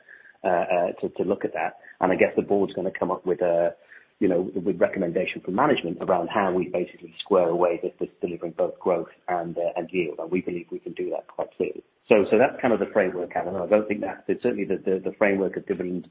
to look at that. I guess the board's going to come up with a, you know, with recommendation from management around how we basically square away that is delivering both growth and yield. We believe we can do that quite clearly. That's kind of the framework, Alan. I don't think that. Certainly the framework of dividends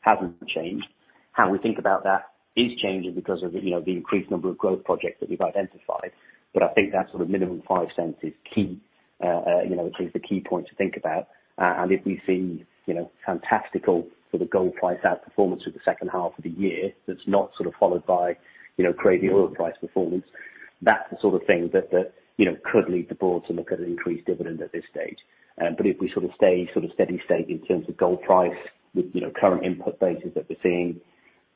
hasn't changed. How we think about that is changing because of the, you know, the increased number of growth projects that we've identified. I think that sort of minimum $0.05 is key, you know, it is the key point to think about. If we see, you know, fantastic for the gold price outperformance through the second half of the year, that's not sort of followed by, you know, crazy oil price performance, that's the sort of thing that, you know, could lead the board to look at an increased dividend at this stage. If we sort of stay sort of steady state in terms of gold price with, you know, current input bases that we're seeing,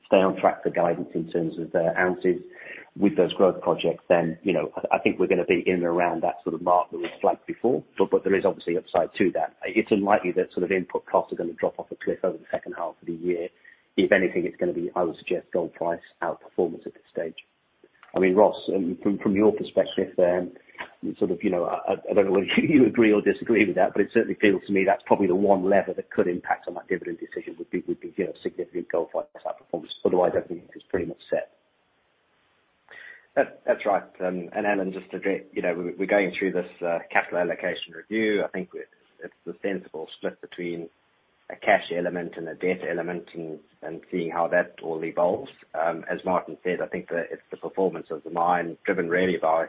stay on track for guidance in terms of the ounces with those growth projects, then, you know, I think we're going to be in and around that sort of mark that we've flagged before. There is obviously upside to that. It's unlikely that sort of input costs are going to drop off a cliff over the second half of the year. If anything, it's going to be, I would suggest, gold price outperformance at this stage. I mean, Ross, from your perspective, sort of, you know, I don't know whether you agree or disagree with that, but it certainly feels to me that's probably the one lever that could impact on that dividend decision, would be, you know, significant gold price outperformance. Otherwise, everything is pretty much set. That's right. Alan, just to add, you know, we're going through this capital allocation review. I think it's the sensible split between a cash element and a debt element and seeing how that all evolves. As Martin said, I think it's the performance of the mine driven really by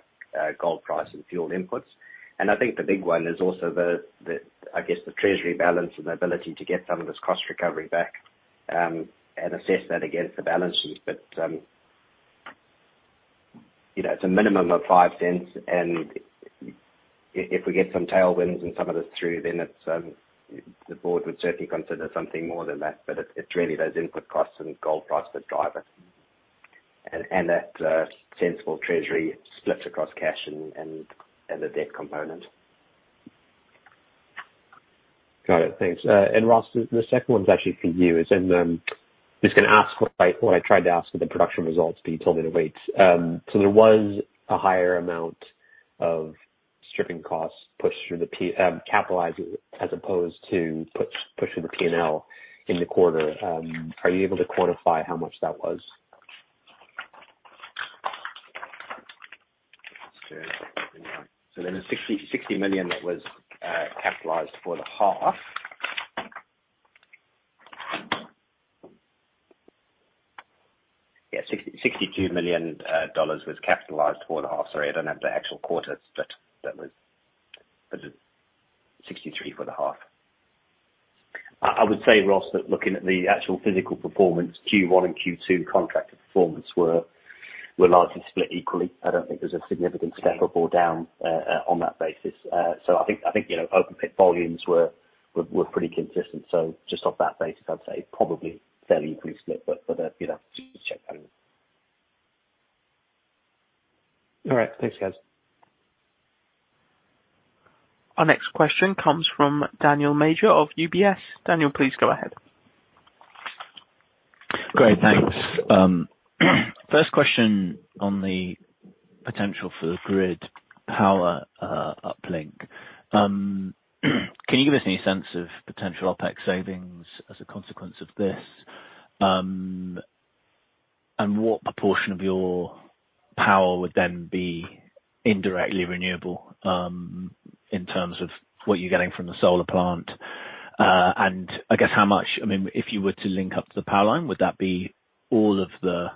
gold price and fuel inputs. I think the big one is also the treasury balance and the ability to get some of this cost recovery back and assess that against the balance sheet. You know, it's a minimum of $0.05, and if we get some tailwinds and some of it through then it's the board would certainly consider something more than that, but it's really those input costs and gold prices that drive it. That sensible treasury splits across cash and the debt component. Got it. Thanks. Ross, the second one's actually for you. It's just going to ask what I tried to ask for the production results, but you told me to wait. There was a higher amount of stripping costs pushed through capitalized as opposed to pushing the P&L in the quarter. Are you able to quantify how much that was? The $60 million that was capitalized for the half. $62 million dollars was capitalized for the half. Sorry, I don't have the actual quarter, but that was $63 million for the half. I would say, Ross, that looking at the actual physical performance, Q1 and Q2 contractor performance were largely split equally. I don't think there's a significant step up or down on that basis. I think, you know, open pit volumes were pretty consistent. Just off that basis, I'd say probably fairly equally split. You know, just check that. All right. Thanks, guys. Our next question comes from Daniel Major of UBS. Daniel, please go ahead. Great, thanks. First question on the potential for the grid power uplink. Can you give us any sense of potential OpEx savings as a consequence of this? What proportion of your power would then be indirectly renewable, in terms of what you're getting from the solar plant? I guess, if you were to link up to the power line, would that be all of the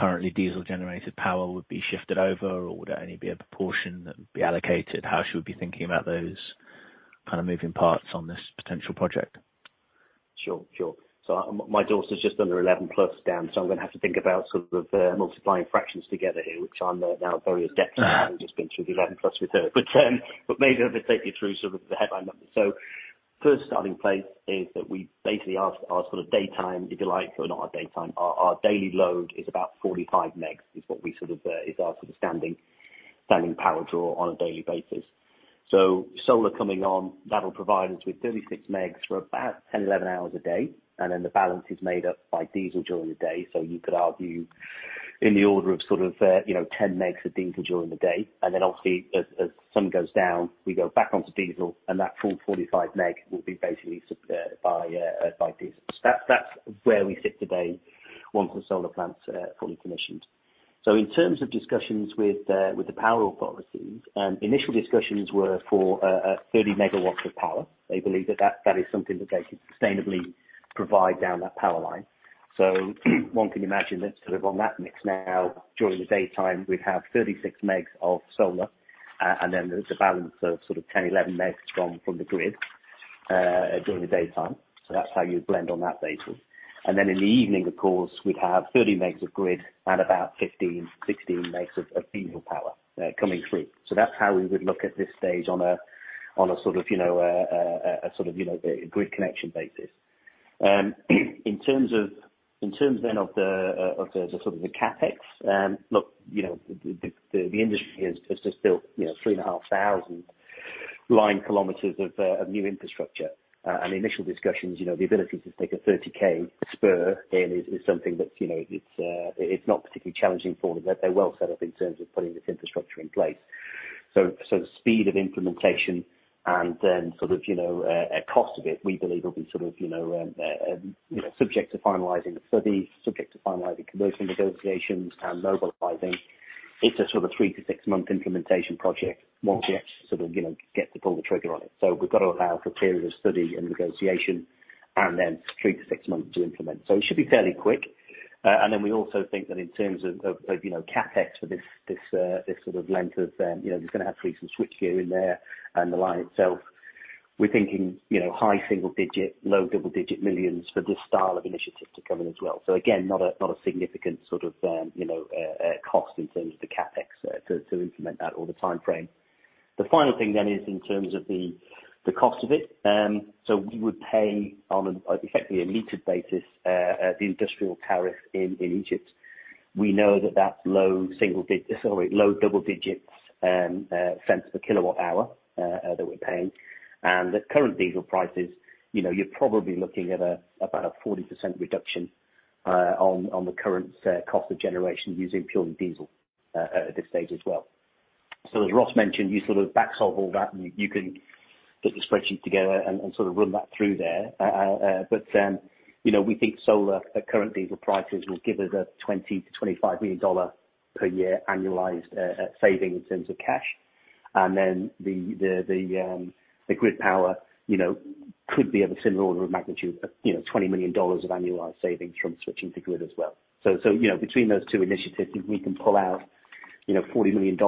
currently diesel generated power would be shifted over or would there only be a proportion that would be allocated? How should we be thinking about those kind of moving parts on this potential project? Sure, sure. My daughter's just under 11+ Dan, so I'm going to have to think about sort of multiplying fractions together here, which I'm now very adept at, having just been through the 11+ with her. Maybe I'll just take you through sort of the headline numbers. First starting place is that we basically ask our sort of daytime, if you like, our daily load is about 45 Megs, which is our sort of standing power draw on a daily basis. Solar coming on, that'll provide us with 36 Megs for about 10-11 hours a day, and then the balance is made up by diesel during the day. You could argue in the order of sort of, you know, 10 Megs of diesel during the day. Then obviously as the sun goes down, we go back onto diesel and that full 45 Meg will be basically supplied by diesel. That's where we sit today once the solar plant's fully commissioned. In terms of discussions with the power authorities, initial discussions were for 30 MW of power. They believe that that is something that they could sustainably provide down that power line. One can imagine that sort of on that mix now, during the daytime, we'd have 36 Megs of solar, and then there's a balance of sort of 10, 11 Megs from the grid during the daytime. That's how you blend on that basis. In the evening, of course, we'd have 30 Megs of grid and about 15, 16 Megs of diesel power coming through. That's how we would look at this stage on a sort of, you know, a grid connection basis. In terms then of the sort of CapEx, look, you know, the industry is just built, you know, 3,500 line kms of new infrastructure. The initial discussions, you know, the ability to take a 30 K spur in is something that's, you know, it's not particularly challenging for them. They're well set up in terms of putting this infrastructure in place. The speed of implementation and then sort of, you know, a cost of it, we believe will be sort of, you know, subject to finalizing the studies, subject to finalizing commercial negotiations and mobilizing. It's a sort of three-to-six-month implementation project once we actually sort of, you know, get to pull the trigger on it. We've got to allow for a period of study and negotiation and then three to six months to implement. It should be fairly quick. And then we also think that in terms of, you know, CapEx for this sort of length of, you know, you're going to have three switchgear in there and the line itself, we're thinking, you know, high single-digit, low double-digit millions for this style of initiative to come in as well. Again, not a significant sort of cost in terms of the CapEx to implement that or the timeframe. The final thing then is in terms of the cost of it. We would pay on an effectively a med basis the industrial tariff in Egypt. We know that that's low double digits cents per kWh that we're paying. The current diesel prices, you're probably looking at about a 40% reduction on the current cost of generation using purely diesel at this stage as well. As Ross mentioned, you sort of back solve all that and you can put the spreadsheet together and sort of run that through there. You know, we think solar at current diesel prices will give us a $20-$25 million per year annualized saving in terms of cash. The grid power, you know, could be of a similar order of magnitude of, you know, $20 million of annualized savings from switching to grid as well. You know, between those two initiatives, we can pull out, you know, $40 million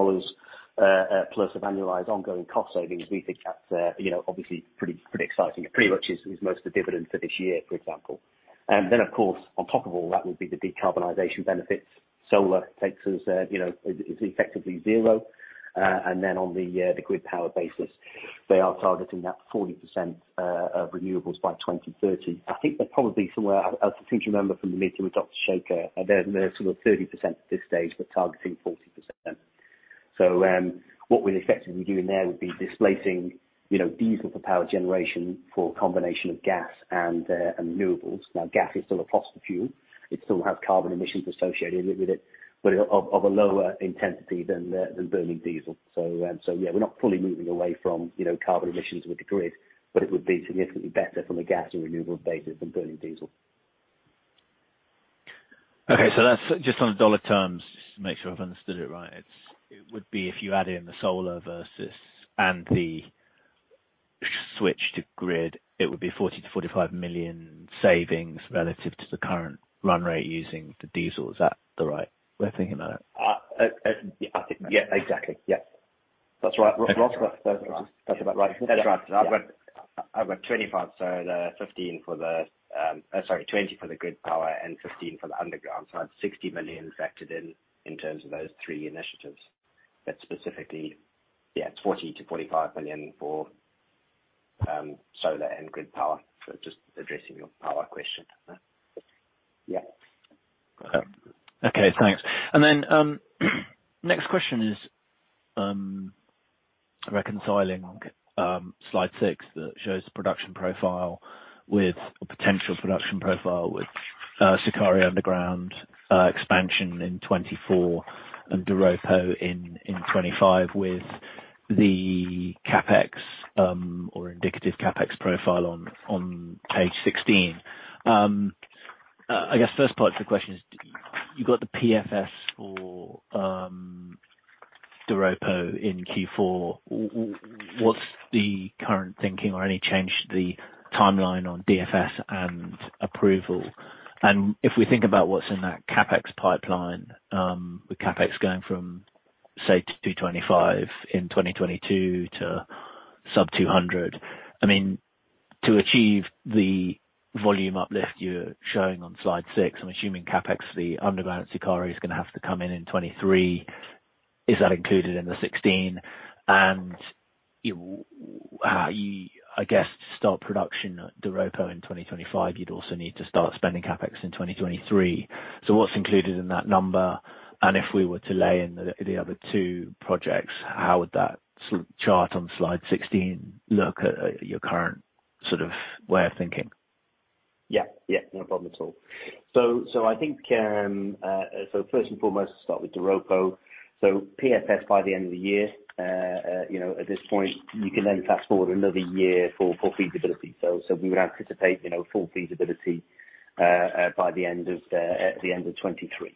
plus of annualized ongoing cost savings. We think that's, you know, obviously pretty exciting. It pretty much is most of the dividend for this year, for example. Of course, on top of all that will be the decarbonization benefits. Solar takes us is effectively zero. On the grid power basis, they are targeting that 40% of renewables by 2030. I think they're probably somewhere I seem to remember from the meeting with Dr. Shaker, they're sort of 30% at this stage, but targeting 40%. What we're effectively doing there would be displacing, you know, diesel for power generation for a combination of gas and renewables. Now, gas is still a fossil fuel. It still has carbon emissions associated with it, but of a lower intensity than burning diesel. We're not fully moving away from, you know, carbon emissions with the grid, but it would be significantly better from a gas and renewable basis than burning diesel. Okay. That's just on the dollar terms, make sure I've understood it right. It would be if you add in the solar versus and the switch to grid, it would be $40 million-$45 million savings relative to the current run rate using the diesel. Is that the right way of thinking about it? I think, yeah. Exactly, yeah. That's right. Ross. That's about right. That's right. I've got $20 million for the grid power and $15 million for the underground. I have $60 million factored in terms of those three initiatives. That's specifically yeah, it's $40 million-$45 million for solar and grid power. Just addressing your power question. Yeah. Okay, thanks. Next question is reconciling slide 6 that shows the production profile with a potential production profile with Sukari underground expansion in 2024 and Doropo in 2025 with the CapEx or indicative CapEx profile on page 16. I guess first part of the question is, you got the PFS for Doropo in Q4. What's the current thinking or any change to the timeline on DFS and approval? If we think about what's in that CapEx pipeline, with CapEx going from, say, $225 in 2022 to sub $200. I mean, to achieve the volume uplift you're showing on slide 6, I'm assuming CapEx, the underground Sukari is going to have to come in in 2023. Is that included in the 16? How would you, I guess, start production at Doropo in 2025, you'd also need to start spending CapEx in 2023. What's included in that number? If we were to lay in the other two projects, how would that sort of chart on slide 16 look at your current sort of way of thinking? No problem at all. I think first and foremost, start with Doropo. PFS by the end of the year, you know, at this point, you can then fast-forward another year for feasibility. We would anticipate, you know, full feasibility by the end of 2023.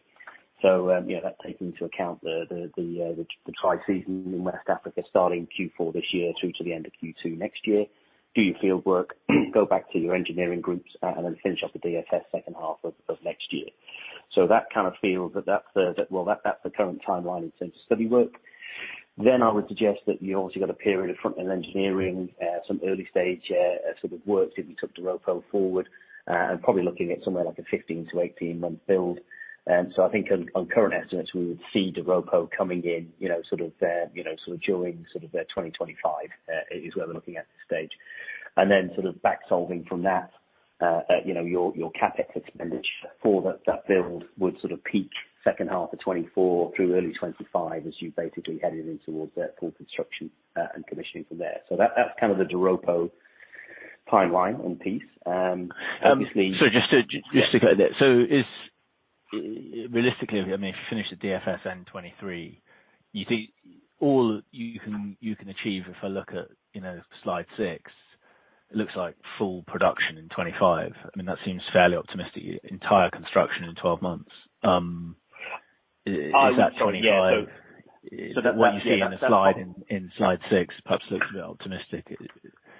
That takes into account, you know, the dry season in West Africa starting Q4 this year through to the end of Q2 next year. Do your field work, go back to your engineering groups and then finish off the DFS second half of next year. That kind of feels, well, that's the current timeline in terms of study work. I would suggest that you obviously got a period of front-end engineering, some early stage, sort of works if you took Doropo forward, and probably looking at somewhere like a 15- to 18-month build. I think on current estimates, we would see Doropo coming in, you know, sort of there, you know, sort of during sort of the 2025, is where we're looking at this stage. Then sort of back solving from that, you know, your CapEx expenditure for that build would sort of peak second half of 2024 through early 2025 as you basically headed in towards the full construction, and commissioning from there. That, that's kind of the Doropo timeline and piece. Obviously. Just to clear that. Is realistically, I mean, if you finish the DFS in 2023, you think you can achieve, if I look at, you know, slide 6, it looks like full production in 2025. I mean, that seems fairly optimistic, entire construction in 12 months. Is that 2025? I'm sorry. Yeah, so... What you see in the slide, in slide six, perhaps looks a bit optimistic.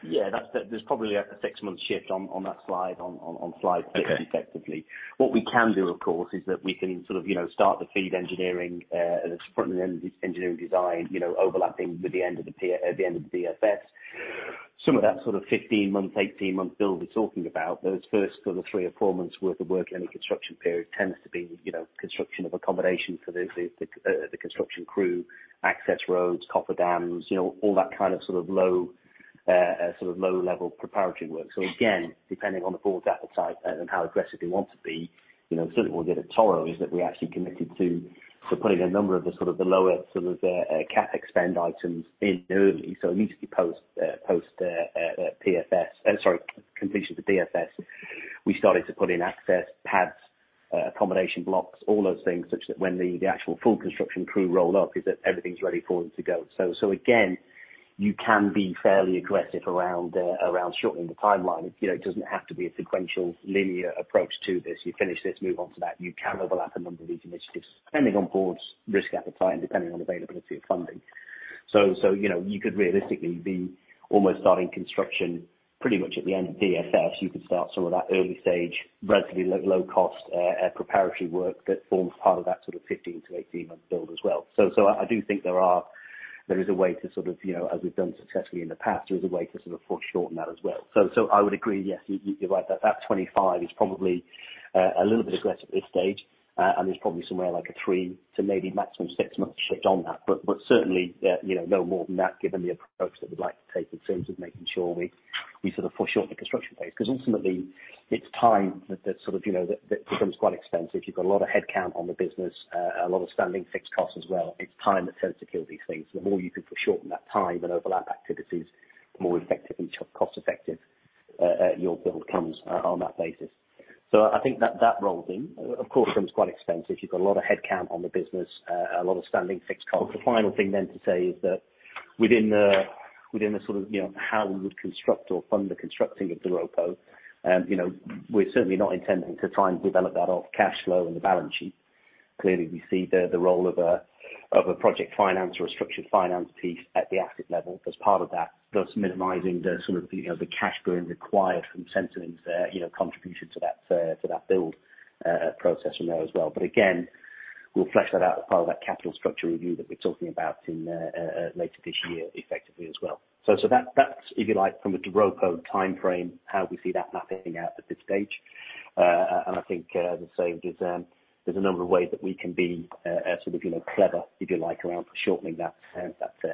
There's probably like a six-month shift on that slide on slide six effectively. Okay. What we can do, of course, is that we can sort of, you know, start the FEED engineering, front-end engineering design, you know, overlapping with the end of the PFS, the end of the DFS. Some of that sort of 15-month, 18-month build we're talking about, those first sort of three or four months' worth of work in a construction period tends to be, you know, construction of accommodation for the construction crew, access roads, coffer dams, you know, all that kind of sort of low-level preparatory work. Again, depending on the board's appetite and how aggressive they want to be, you know, certainly what we did at Toro is that we actually committed to putting a number of the lower CapEx spend items in early. Immediately post completion of the DFS, we started to put in access pads, accommodation blocks, all those things such that when the actual full construction crew roll up so that everything's ready for them to go. You can be fairly aggressive around shortening the timeline. You know, it doesn't have to be a sequential linear approach to this. You finish this, move on to that. You can overlap a number of these initiatives, depending on board's risk appetite and depending on availability of funding. You know, you could realistically be almost starting construction pretty much at the end of DFS. You could start some of that early stage, relatively low cost, preparatory work that forms part of that sort of 15-18-month build as well. I do think there is a way to sort of, you know, as we've done successfully in the past, there's a way to sort of foreshorten that as well. I would agree, yes, you're right that $25 million is probably a little bit aggressive at this stage. And there's probably somewhere like a 3 to maybe maximum 6 months shift on that. Certainly, you know, no more than that, given the approach that we'd like to take in terms of making sure we sort of foreshorten the construction phase. Because ultimately, it's time that sort of, you know, that becomes quite expensive. You've got a lot of headcount on the business, a lot of standing fixed costs as well. It's time that tends to kill these things. The more you can foreshorten that time and overlap activities, the more cost effective your build comes on that basis. I think that rolls in. Of course, it becomes quite expensive. You've got a lot of headcount on the business, a lot of standing fixed costs. The final thing to say is that within the sort of, you know, how we would construct or fund the constructing of Doropo, you know, we're certainly not intending to try and develop that off cash flow and the balance sheet. Clearly, we see the role of a project finance or a structured finance piece at the asset level as part of that, thus minimizing the sort of, you know, the cash burn required from Centamin's, you know, contribution to that build process from there as well. Again, we'll flesh that out as part of that capital structure review that we're talking about in later this year effectively as well. That's if you like, from a Doropo timeframe, how we see that mapping out at this stage. I think, as I say, there's a number of ways that we can be sort of, you know, clever, if you like, around for shortening that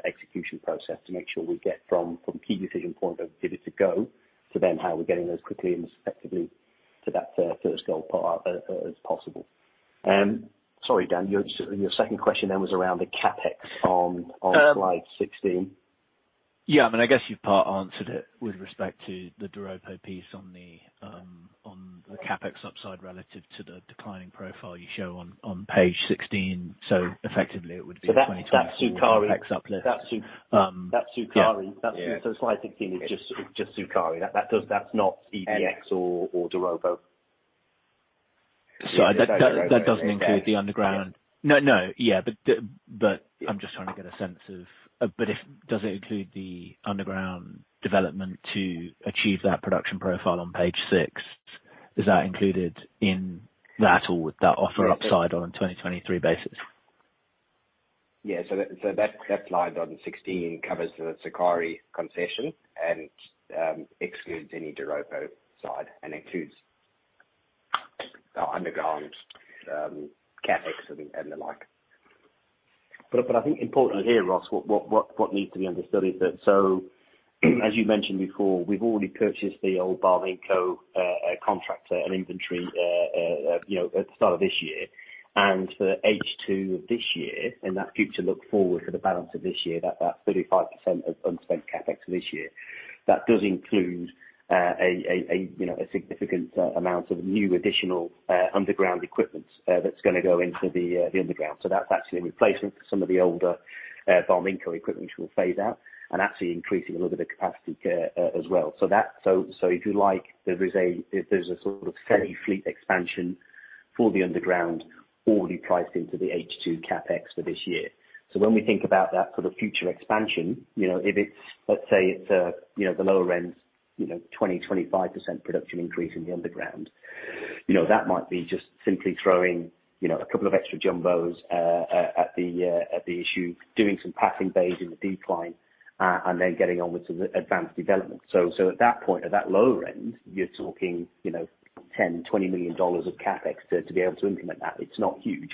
execution process to make sure we get from key decision point of give it a go to then how we're getting those quickly and respectively to that first gold pour as possible. Sorry, Dan, your second question then was around the CapEx on slide 16. Yeah, I mean, I guess you partly answered it with respect to the Doropo piece on the CapEx upside relative to the declining profile you show on page 16. Effectively it would be 2024 CapEx uplift. That's Sukari. Yeah. That's Sukari. Yeah. That's the slide 16 is just Sukari. That's not EDX or Doropo. That doesn't include the underground. I'm just trying to get a sense of if does it include the underground development to achieve that production profile on page 6? Is that included in that or that offer upside on a 2023 basis? Yeah. That slide on 16 covers the Sukari concession and excludes any Doropo side and includes our underground CapEx and the like. I think importantly here, Ross, what needs to be understood is that as you mentioned before, we've already purchased the old Barminco contract and inventory, you know, at the start of this year. For H2 of this year, in that future look forward for the balance of this year, that 35% of unspent CapEx for this year does include you know a significant amount of new additional underground equipment that's going to go into the underground. That's actually a replacement for some of the older Barminco equipment which we'll phase out and actually increasing a little bit of capacity as well. That if you like, there's a sort of semi fleet expansion for the underground already priced into the H2 CapEx for this year. When we think about that sort of future expansion, you know, if it's, let's say, the lower end, you know, 20%-25% production increase in the underground, you know, that might be just simply throwing, you know, a couple of extra jumbos at the issue, doing some passing bays in the decline and then getting on with some of the advanced development. At that point, at that lower end, you're talking, you know, $10million-$20 million of CapEx to be able to implement that. It's not huge.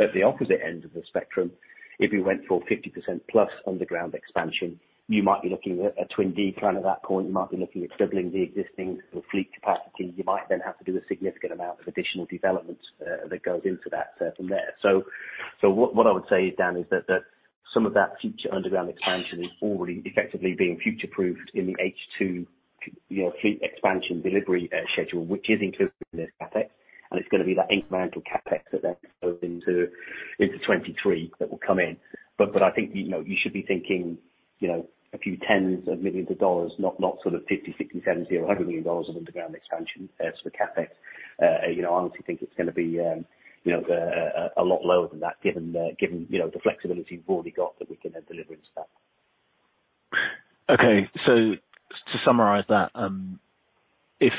At the opposite end of the spectrum, if we went for 50%+ underground expansion, you might be looking at a twin decline at that point. You might be looking at doubling the existing sort of fleet capacity. You might then have to do a significant amount of additional development that goes into that from there. What I would say, Dan, is that some of that future underground expansion is already effectively being future-proofed in the H2, you know, fleet expansion delivery schedule, which is included in this CapEx, and it's going to be that incremental CapEx that then goes into 2023 that will come in. I think, you know, you should be thinking, you know, a few tens of millions of dollars, not sort of $50 million, $60 million, $70 million, $100 million of underground expansion as the CapEx. You know, I honestly think it's going to be a lot lower than that, given, you know, the flexibility we've already got that we can then deliver into that. Okay. To summarize that, if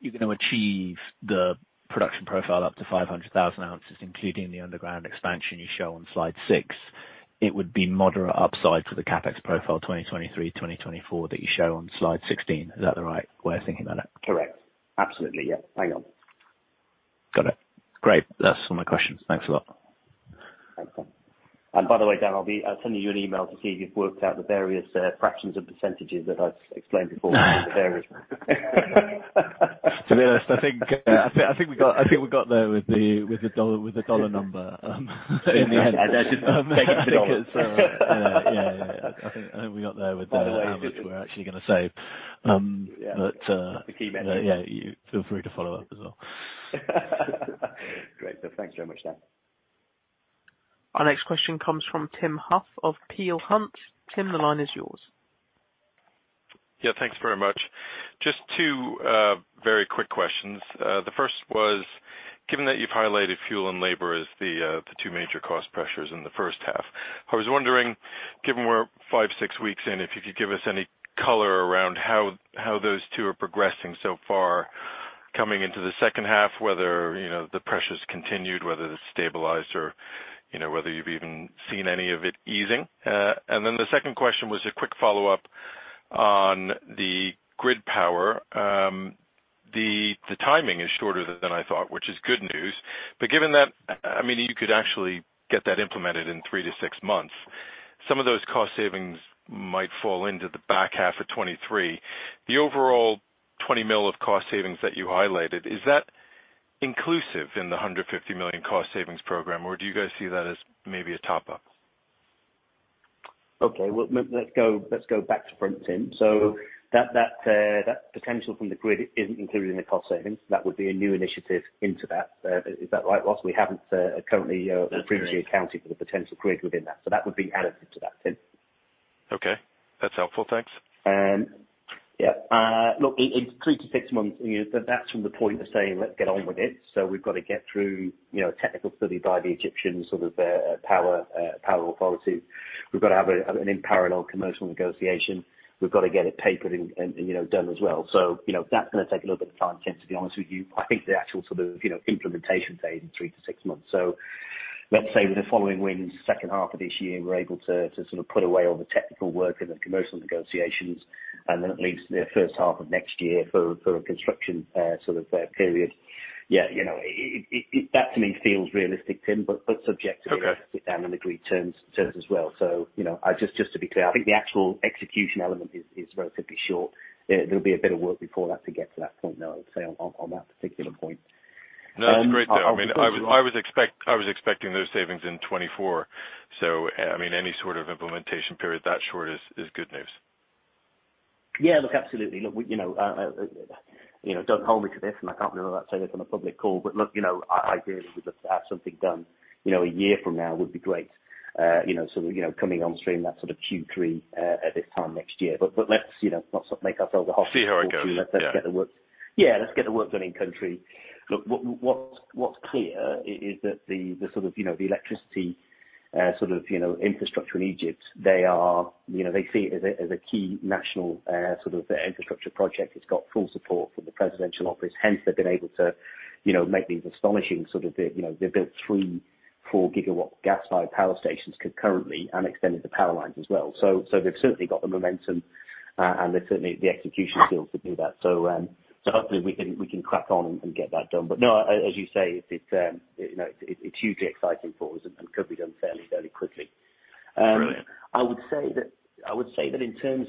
you're going to achieve the production profile up to 500,000 oz, including the underground expansion you show on slide 6, it would be moderate upside to the CapEx profile 2023, 2024 that you show on slide 16. Is that the right way of thinking about it? Correct. Absolutely. Yeah. Bang on. Got it. Great. That's all my questions. Thanks a lot. Thanks, Ross. By the way, Dan, I'll send you an email to see if you've worked out the various fractions and percentages that I've explained before for the various To be honest, I think we got there with the dollar number in the end. That's just taking the US dollar. I think it's. Yeah. I think we got there with the how much we're actually going to save. But... That's the key metric. Yeah, you feel free to follow up as well. Great. Thanks so much, Dan. Our next question comes from Tim Huff of Peel Hunt. Tim, the line is yours. Yeah, thanks very much. Just two very quick questions. The first was, given that you've highlighted fuel and labor as the two major cost pressures in the first half, I was wondering, given we're 5-6 weeks in, if you could give us any color around how those two are progressing so far coming into the second half, whether you know the pressures continued, whether it's stabilized or you know whether you've even seen any of it easing. The second question was a quick follow-up on the grid power. The timing is shorter than I thought, which is good news. Given that, I mean, you could actually get that implemented in three to six months, some of those cost savings might fall into the back half of 2023. The overall $20 million of cost savings that you highlighted, is that inclusive in the $150 million cost savings program, or do you guys see that as maybe a top-up? Okay. Well, let's go back to front, Tim. That potential from the grid isn't included in the cost savings. That would be a new initiative into that. Is that right, Ross? We haven't currently previously accounted for the potential grid within that. That would be added to that, Tim. Okay. That's helpful. Thanks. Look, it's three to six months. You know, but that's from the point of saying, "Let's get on with it." We've got to get through, you know, technical study by the Egyptian, sort of, power authority. We've got to have an in parallel commercial negotiation. We've got to get it papered and, you know, done as well. You know, that's going to take a little bit of time, Tim, to be honest with you. I think the actual sort of, you know, implementation phase is three to six months. Let's say with the following winds, second half of this year, we're able to sort of put away all the technical work and the commercial negotiations, and then it leaves the first half of next year for a construction sort of period. Yeah, you know, it that to me feels realistic, Tim, but subject to- Okay. Sat down and agreed terms as well. You know, just to be clear, I think the actual execution element is relatively short. There'll be a bit of work before that to get to that point, though, I'd say, on that particular point. No, great though. I mean, I was expecting those savings in 2024. I mean, any sort of implementation period that short is good news. Yeah. Look, absolutely. Look, you know, don't hold me to this, and I can't remember saying it on a public call. Look, you know, ideally, we just have something done, you know, a year from now would be great. You know, sort of, you know, coming on stream that sort of Q3 at this time next year. Let's, you know, not make ourselves a hostage to fortune. See how it goes. Yeah. Let's get the work done in country. Look, what's clear is that the sort of, you know, the electricity, sort of, you know, infrastructure in Egypt, they are, you know, they see it as a, as a key national, sort of infrastructure project. It's got full support from the presidential office. Hence, they've been able to, you know, make these astonishing sort of, you know, they built 3 GW-4 GW gas powered power stations concurrently and extended the power lines as well. They've certainly got the momentum, and they certainly have the execution skills to do that. Hopefully we can crack on and get that done. No, as you say, it's, you know, it's hugely exciting for us and could be done fairly quickly. Um- Brilliant. I would say that in terms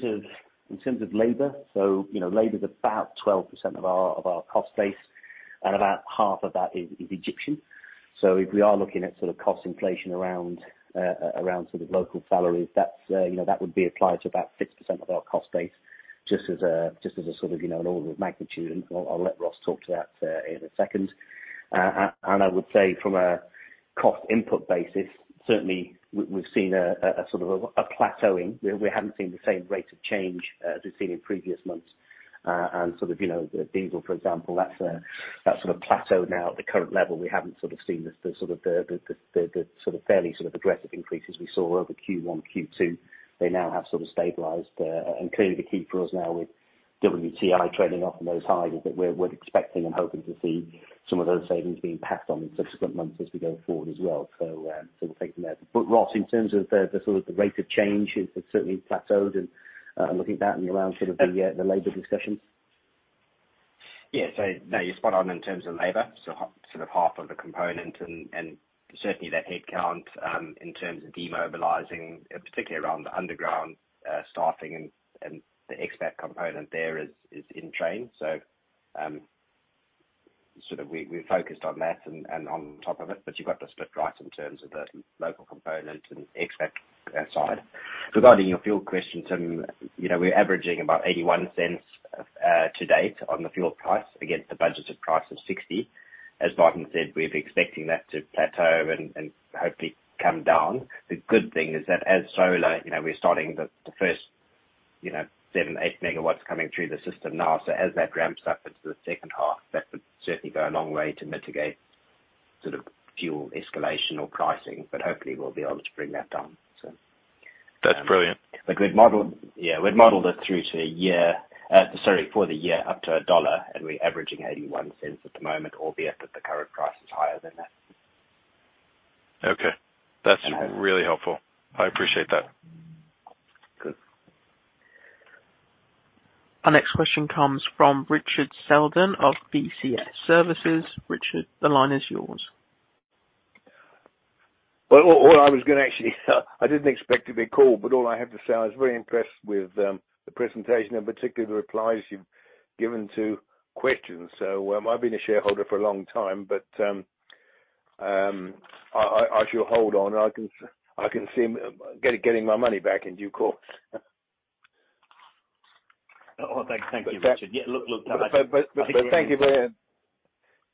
of labor is about 12% of our cost base, and about half of that is Egyptian. If we are looking at sort of cost inflation around sort of local salaries, that would be applied to about 6% of our cost base, just as a sort of an order of magnitude. I'll let Ross talk to that in a second. I would say from a cost input basis, certainly we've seen a sort of a plateauing. We haven't seen the same rate of change as we've seen in previous months. Sort of, you know, diesel, for example, that's sort of plateaued now at the current level. We haven't sort of seen the sort of fairly sort of aggressive increases we saw over Q1, Q2. They now have sort of stabilized. Clearly the key for us now with WTI trending off of those highs is that we're expecting and hoping to see some of those savings being passed on in subsequent months as we go forward as well. We're taking there. Ross, in terms of the sort of the rate of change, it's certainly plateaued, and looking at that and around sort of the labor discussions. No, you're spot on in terms of labor, so half of the component and certainly that head count in terms of demobilizing, particularly around the underground, staffing and the expat component there is in train. We're focused on that and on top of it, but you've got to split right in terms of the local component and expat side. Regarding your fuel question, Tim, you know, we're averaging about $0.81 to date on the fuel price against a budgeted price of $0.60. As Martin said, we're expecting that to plateau and hopefully come down. The good thing is that as solar, you know, we're starting the first 7 MW-8 MW coming through the system now. As that ramps up into the second half, that would certainly go a long way to mitigate sort of fuel escalation or pricing, but hopefully we'll be able to bring that down. So... That's brilliant. Yeah, we've modeled it through to a year, for the year up to a dollar, and we're averaging $0.81 at the moment, albeit that the current price is higher than that. Okay. That's really helpful. I appreciate that. Good. Our next question comes from Richard Seldon of BCS Services. Richard, the line is yours. All I was going to actually I didn't expect to be called, but all I have to say, I was very impressed with the presentation and particularly the replies you've given to questions. I've been a shareholder for a long time, but I shall hold on and I can see getting my money back in due course. Oh, thank you, Richard. Yeah, look.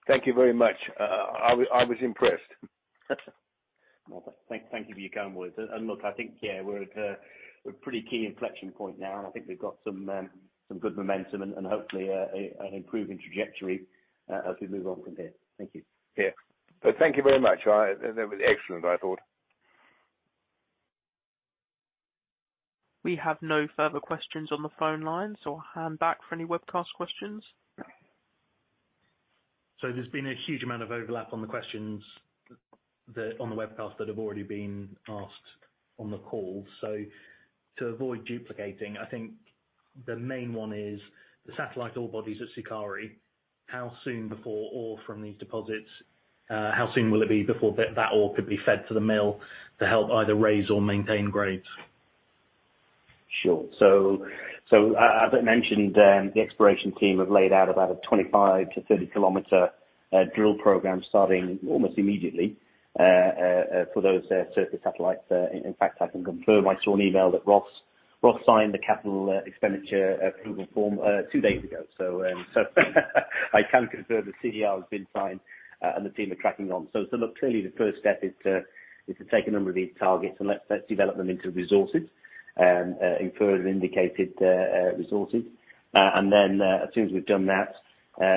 Thank you very much. I was impressed. Well, thank you for your kind words. Look, I think, yeah, we're at a pretty key inflection point now, and I think we've got some good momentum and hopefully an improving trajectory as we move on from here. Thank you. Yeah. Thank you very much. That was excellent, I thought. We have no further questions on the phone lines. I'll hand back for any webcast questions. There's been a huge amount of overlap on the questions that are on the webcast that have already been asked on the call. To avoid duplicating, I think the main one is the satellite ore bodies at Sukari, how soon will it be before ore from these deposits could be fed to the mill to help either raise or maintain grades? As I mentioned, the exploration team have laid out about a 25-30-km drill program starting almost immediately for those surface satellites. In fact, I can confirm I saw an email that Ross signed the capital expenditure approval form two days ago. I can confirm the CDR has been signed, and the team are tracking on. Look, clearly the first step is to take a number of these targets and let's develop them into inferred and indicated resources. As soon as we've done that,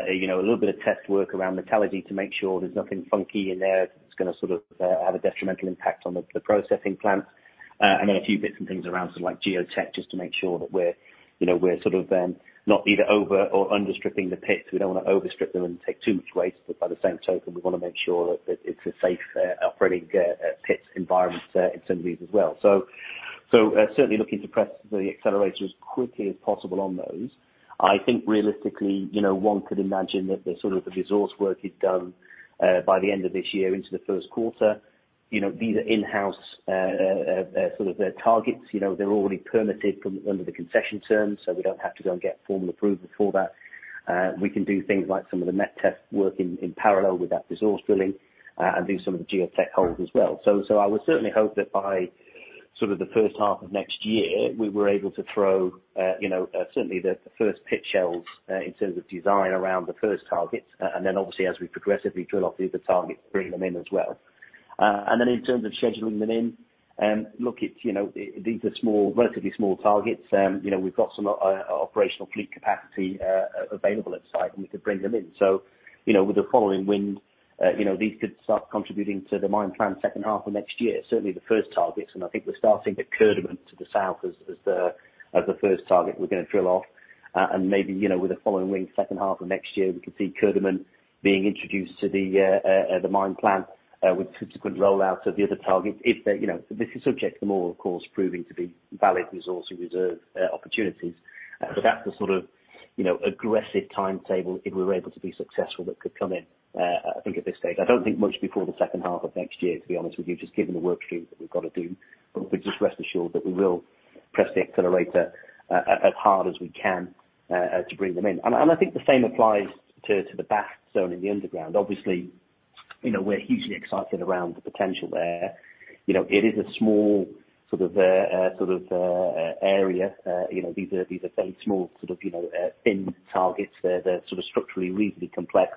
you know, a little bit of test work around metallurgy to make sure there's nothing funky in there that's going to sort of have a detrimental impact on the processing plant. A few bits and things around, sort of like Geotech, just to make sure that we're, you know, sort of not either over or under stripping the pits. We don't want to overstrip them and take too much waste, but by the same token, we want to make sure that it's a safe operating pit environment in some of these as well. Certainly looking to press the accelerator as quickly as possible on those. I think realistically, you know, one could imagine that the sort of resource work is done by the end of this year into the first quarter. You know, these are in-house sort of targets. You know, they're already permitted from under the concession terms, so we don't have to go and get formal approval for that. We can do things like some of the met test work in parallel with that resource drilling and do some of the Geotech holes as well. I would certainly hope that by sort of the first half of next year, we were able to throw, you know, certainly the first pit shells in terms of design around the first targets and then obviously as we progressively drill off the other targets, bring them in as well. In terms of scheduling them in, look, it's you know these are small, relatively small targets. You know, we've got some operational fleet capacity available at site, and we could bring them in. You know, with the following wind you know these could start contributing to the mine plan second half of next year. Certainly the first targets, and I think we're starting at Kurdeman to the south as the first target we're going to drill off. Maybe, you know, with the following wind second half of next year, we could see Kurdeman being introduced to the mine plan with subsequent rollouts of the other targets if they're you know valid resource and reserve opportunities. This is subject to more, of course, proving to be valid resource and reserve opportunities. That's the sort of, you know, aggressive timetable if we're able to be successful that could come in, I think at this stage. I don't think much before the second half of next year, to be honest with you, just given the work stream that we've got to do. Just rest assured that we will press the accelerator as hard as we can to bring them in. I think the same applies to the V-Zone in the underground. Obviously, you know, we're hugely excited around the potential there. You know, it is a small sort of area. You know, these are very small sort of, you know, thin targets. They're sort of structurally reasonably complex.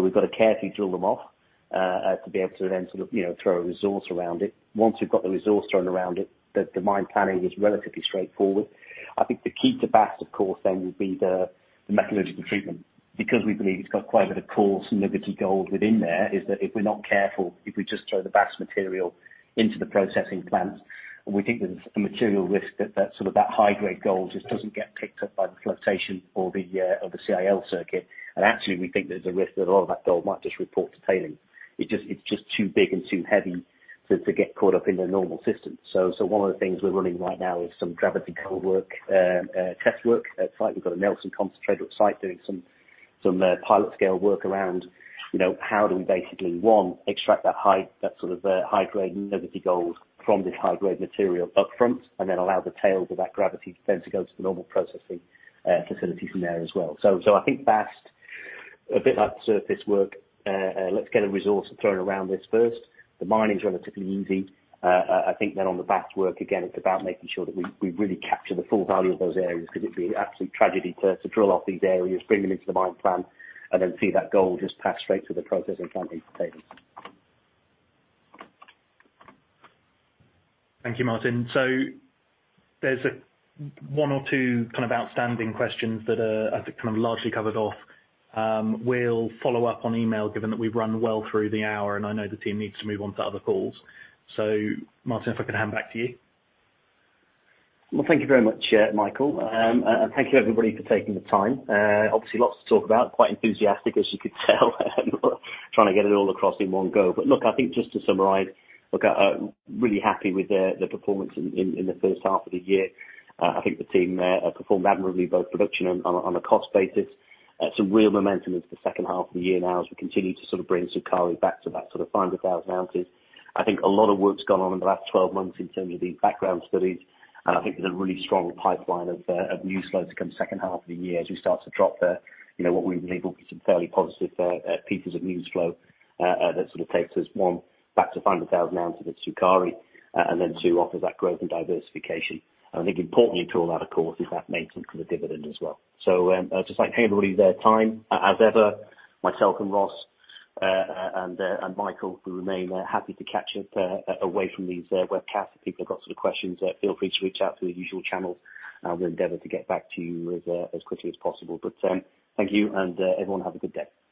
We've got to carefully drill them off to be able to then sort of, you know, throw a resource around it. Once we've got the resource thrown around it, the mine planning is relatively straightforward. I think the key V-Shear, of course then, will be the metallurgical treatment. Because we believe it's got quite a bit of coarse and liberated gold within there. That is, if we're not careful, if we just throw V-Shear material into the processing plant, we think there's a material risk that that sort of high-grade gold just doesn't get picked up by the flotation or the CIL circuit. Actually, we think there's a risk that a lot of that gold might just report to tailings. It's just too big and too heavy to get caught up in the normal system. One of the things we're running right now is some gravity gold work, test work at site. We've got a Knelson concentrator on site doing some pilot scale work around, you know, how do we basically, one, extract that sort of high-grade liberated gold from this high-grade material upfront, and then allow the tails of that gravity then to go to the normal processing facilities from there as well. I think past, a bit like the surface work, let's get a resource drawn around this first. The mining's relatively easy. I think on the past work, again, it's about making sure that we really capture the full value of those areas, because it'd be an absolute tragedy to drill off these areas, bring them into the mine plan, and then see that gold just pass straight to the processing plant into tailings. Thank you, Martin. There's one or two kind of outstanding questions that are, I think, kind of largely covered off. We'll follow up on email given that we've run well through the hour, and I know the team needs to move on to other calls. Martin, if I could hand back to you. Well, thank you very much, Michael. And thank you, everybody, for taking the time. Obviously, lots to talk about. Quite enthusiastic, as you could tell. Trying to get it all across in one go. Look, I think just to summarize, look, really happy with the performance in the first half of the year. I think the team performed admirably, both production and on a cost basis. Some real momentum into the second half of the year now as we continue to sort of bring Sukari back to that sort of 500,000 ounces. I think a lot of work's gone on in the last 12 months in terms of these background studies, and I think there's a really strong pipeline of news flow to come second half of the year as we start to drop the, you know, what we believe will be some fairly positive pieces of news flow that sort of takes us, one, back to 500,000 oz at Sukari and then two, offers that growth and diversification. I think importantly to all that, of course, is that maintenance of the dividend as well. I'd just like to thank everybody for their time. As ever, myself and Ross and Michael, we remain happy to catch up away from these webcasts. If people have got sort of questions, feel free to reach out through the usual channels, and we'll endeavor to get back to you as quickly as possible. Thank you, and everyone have a good day.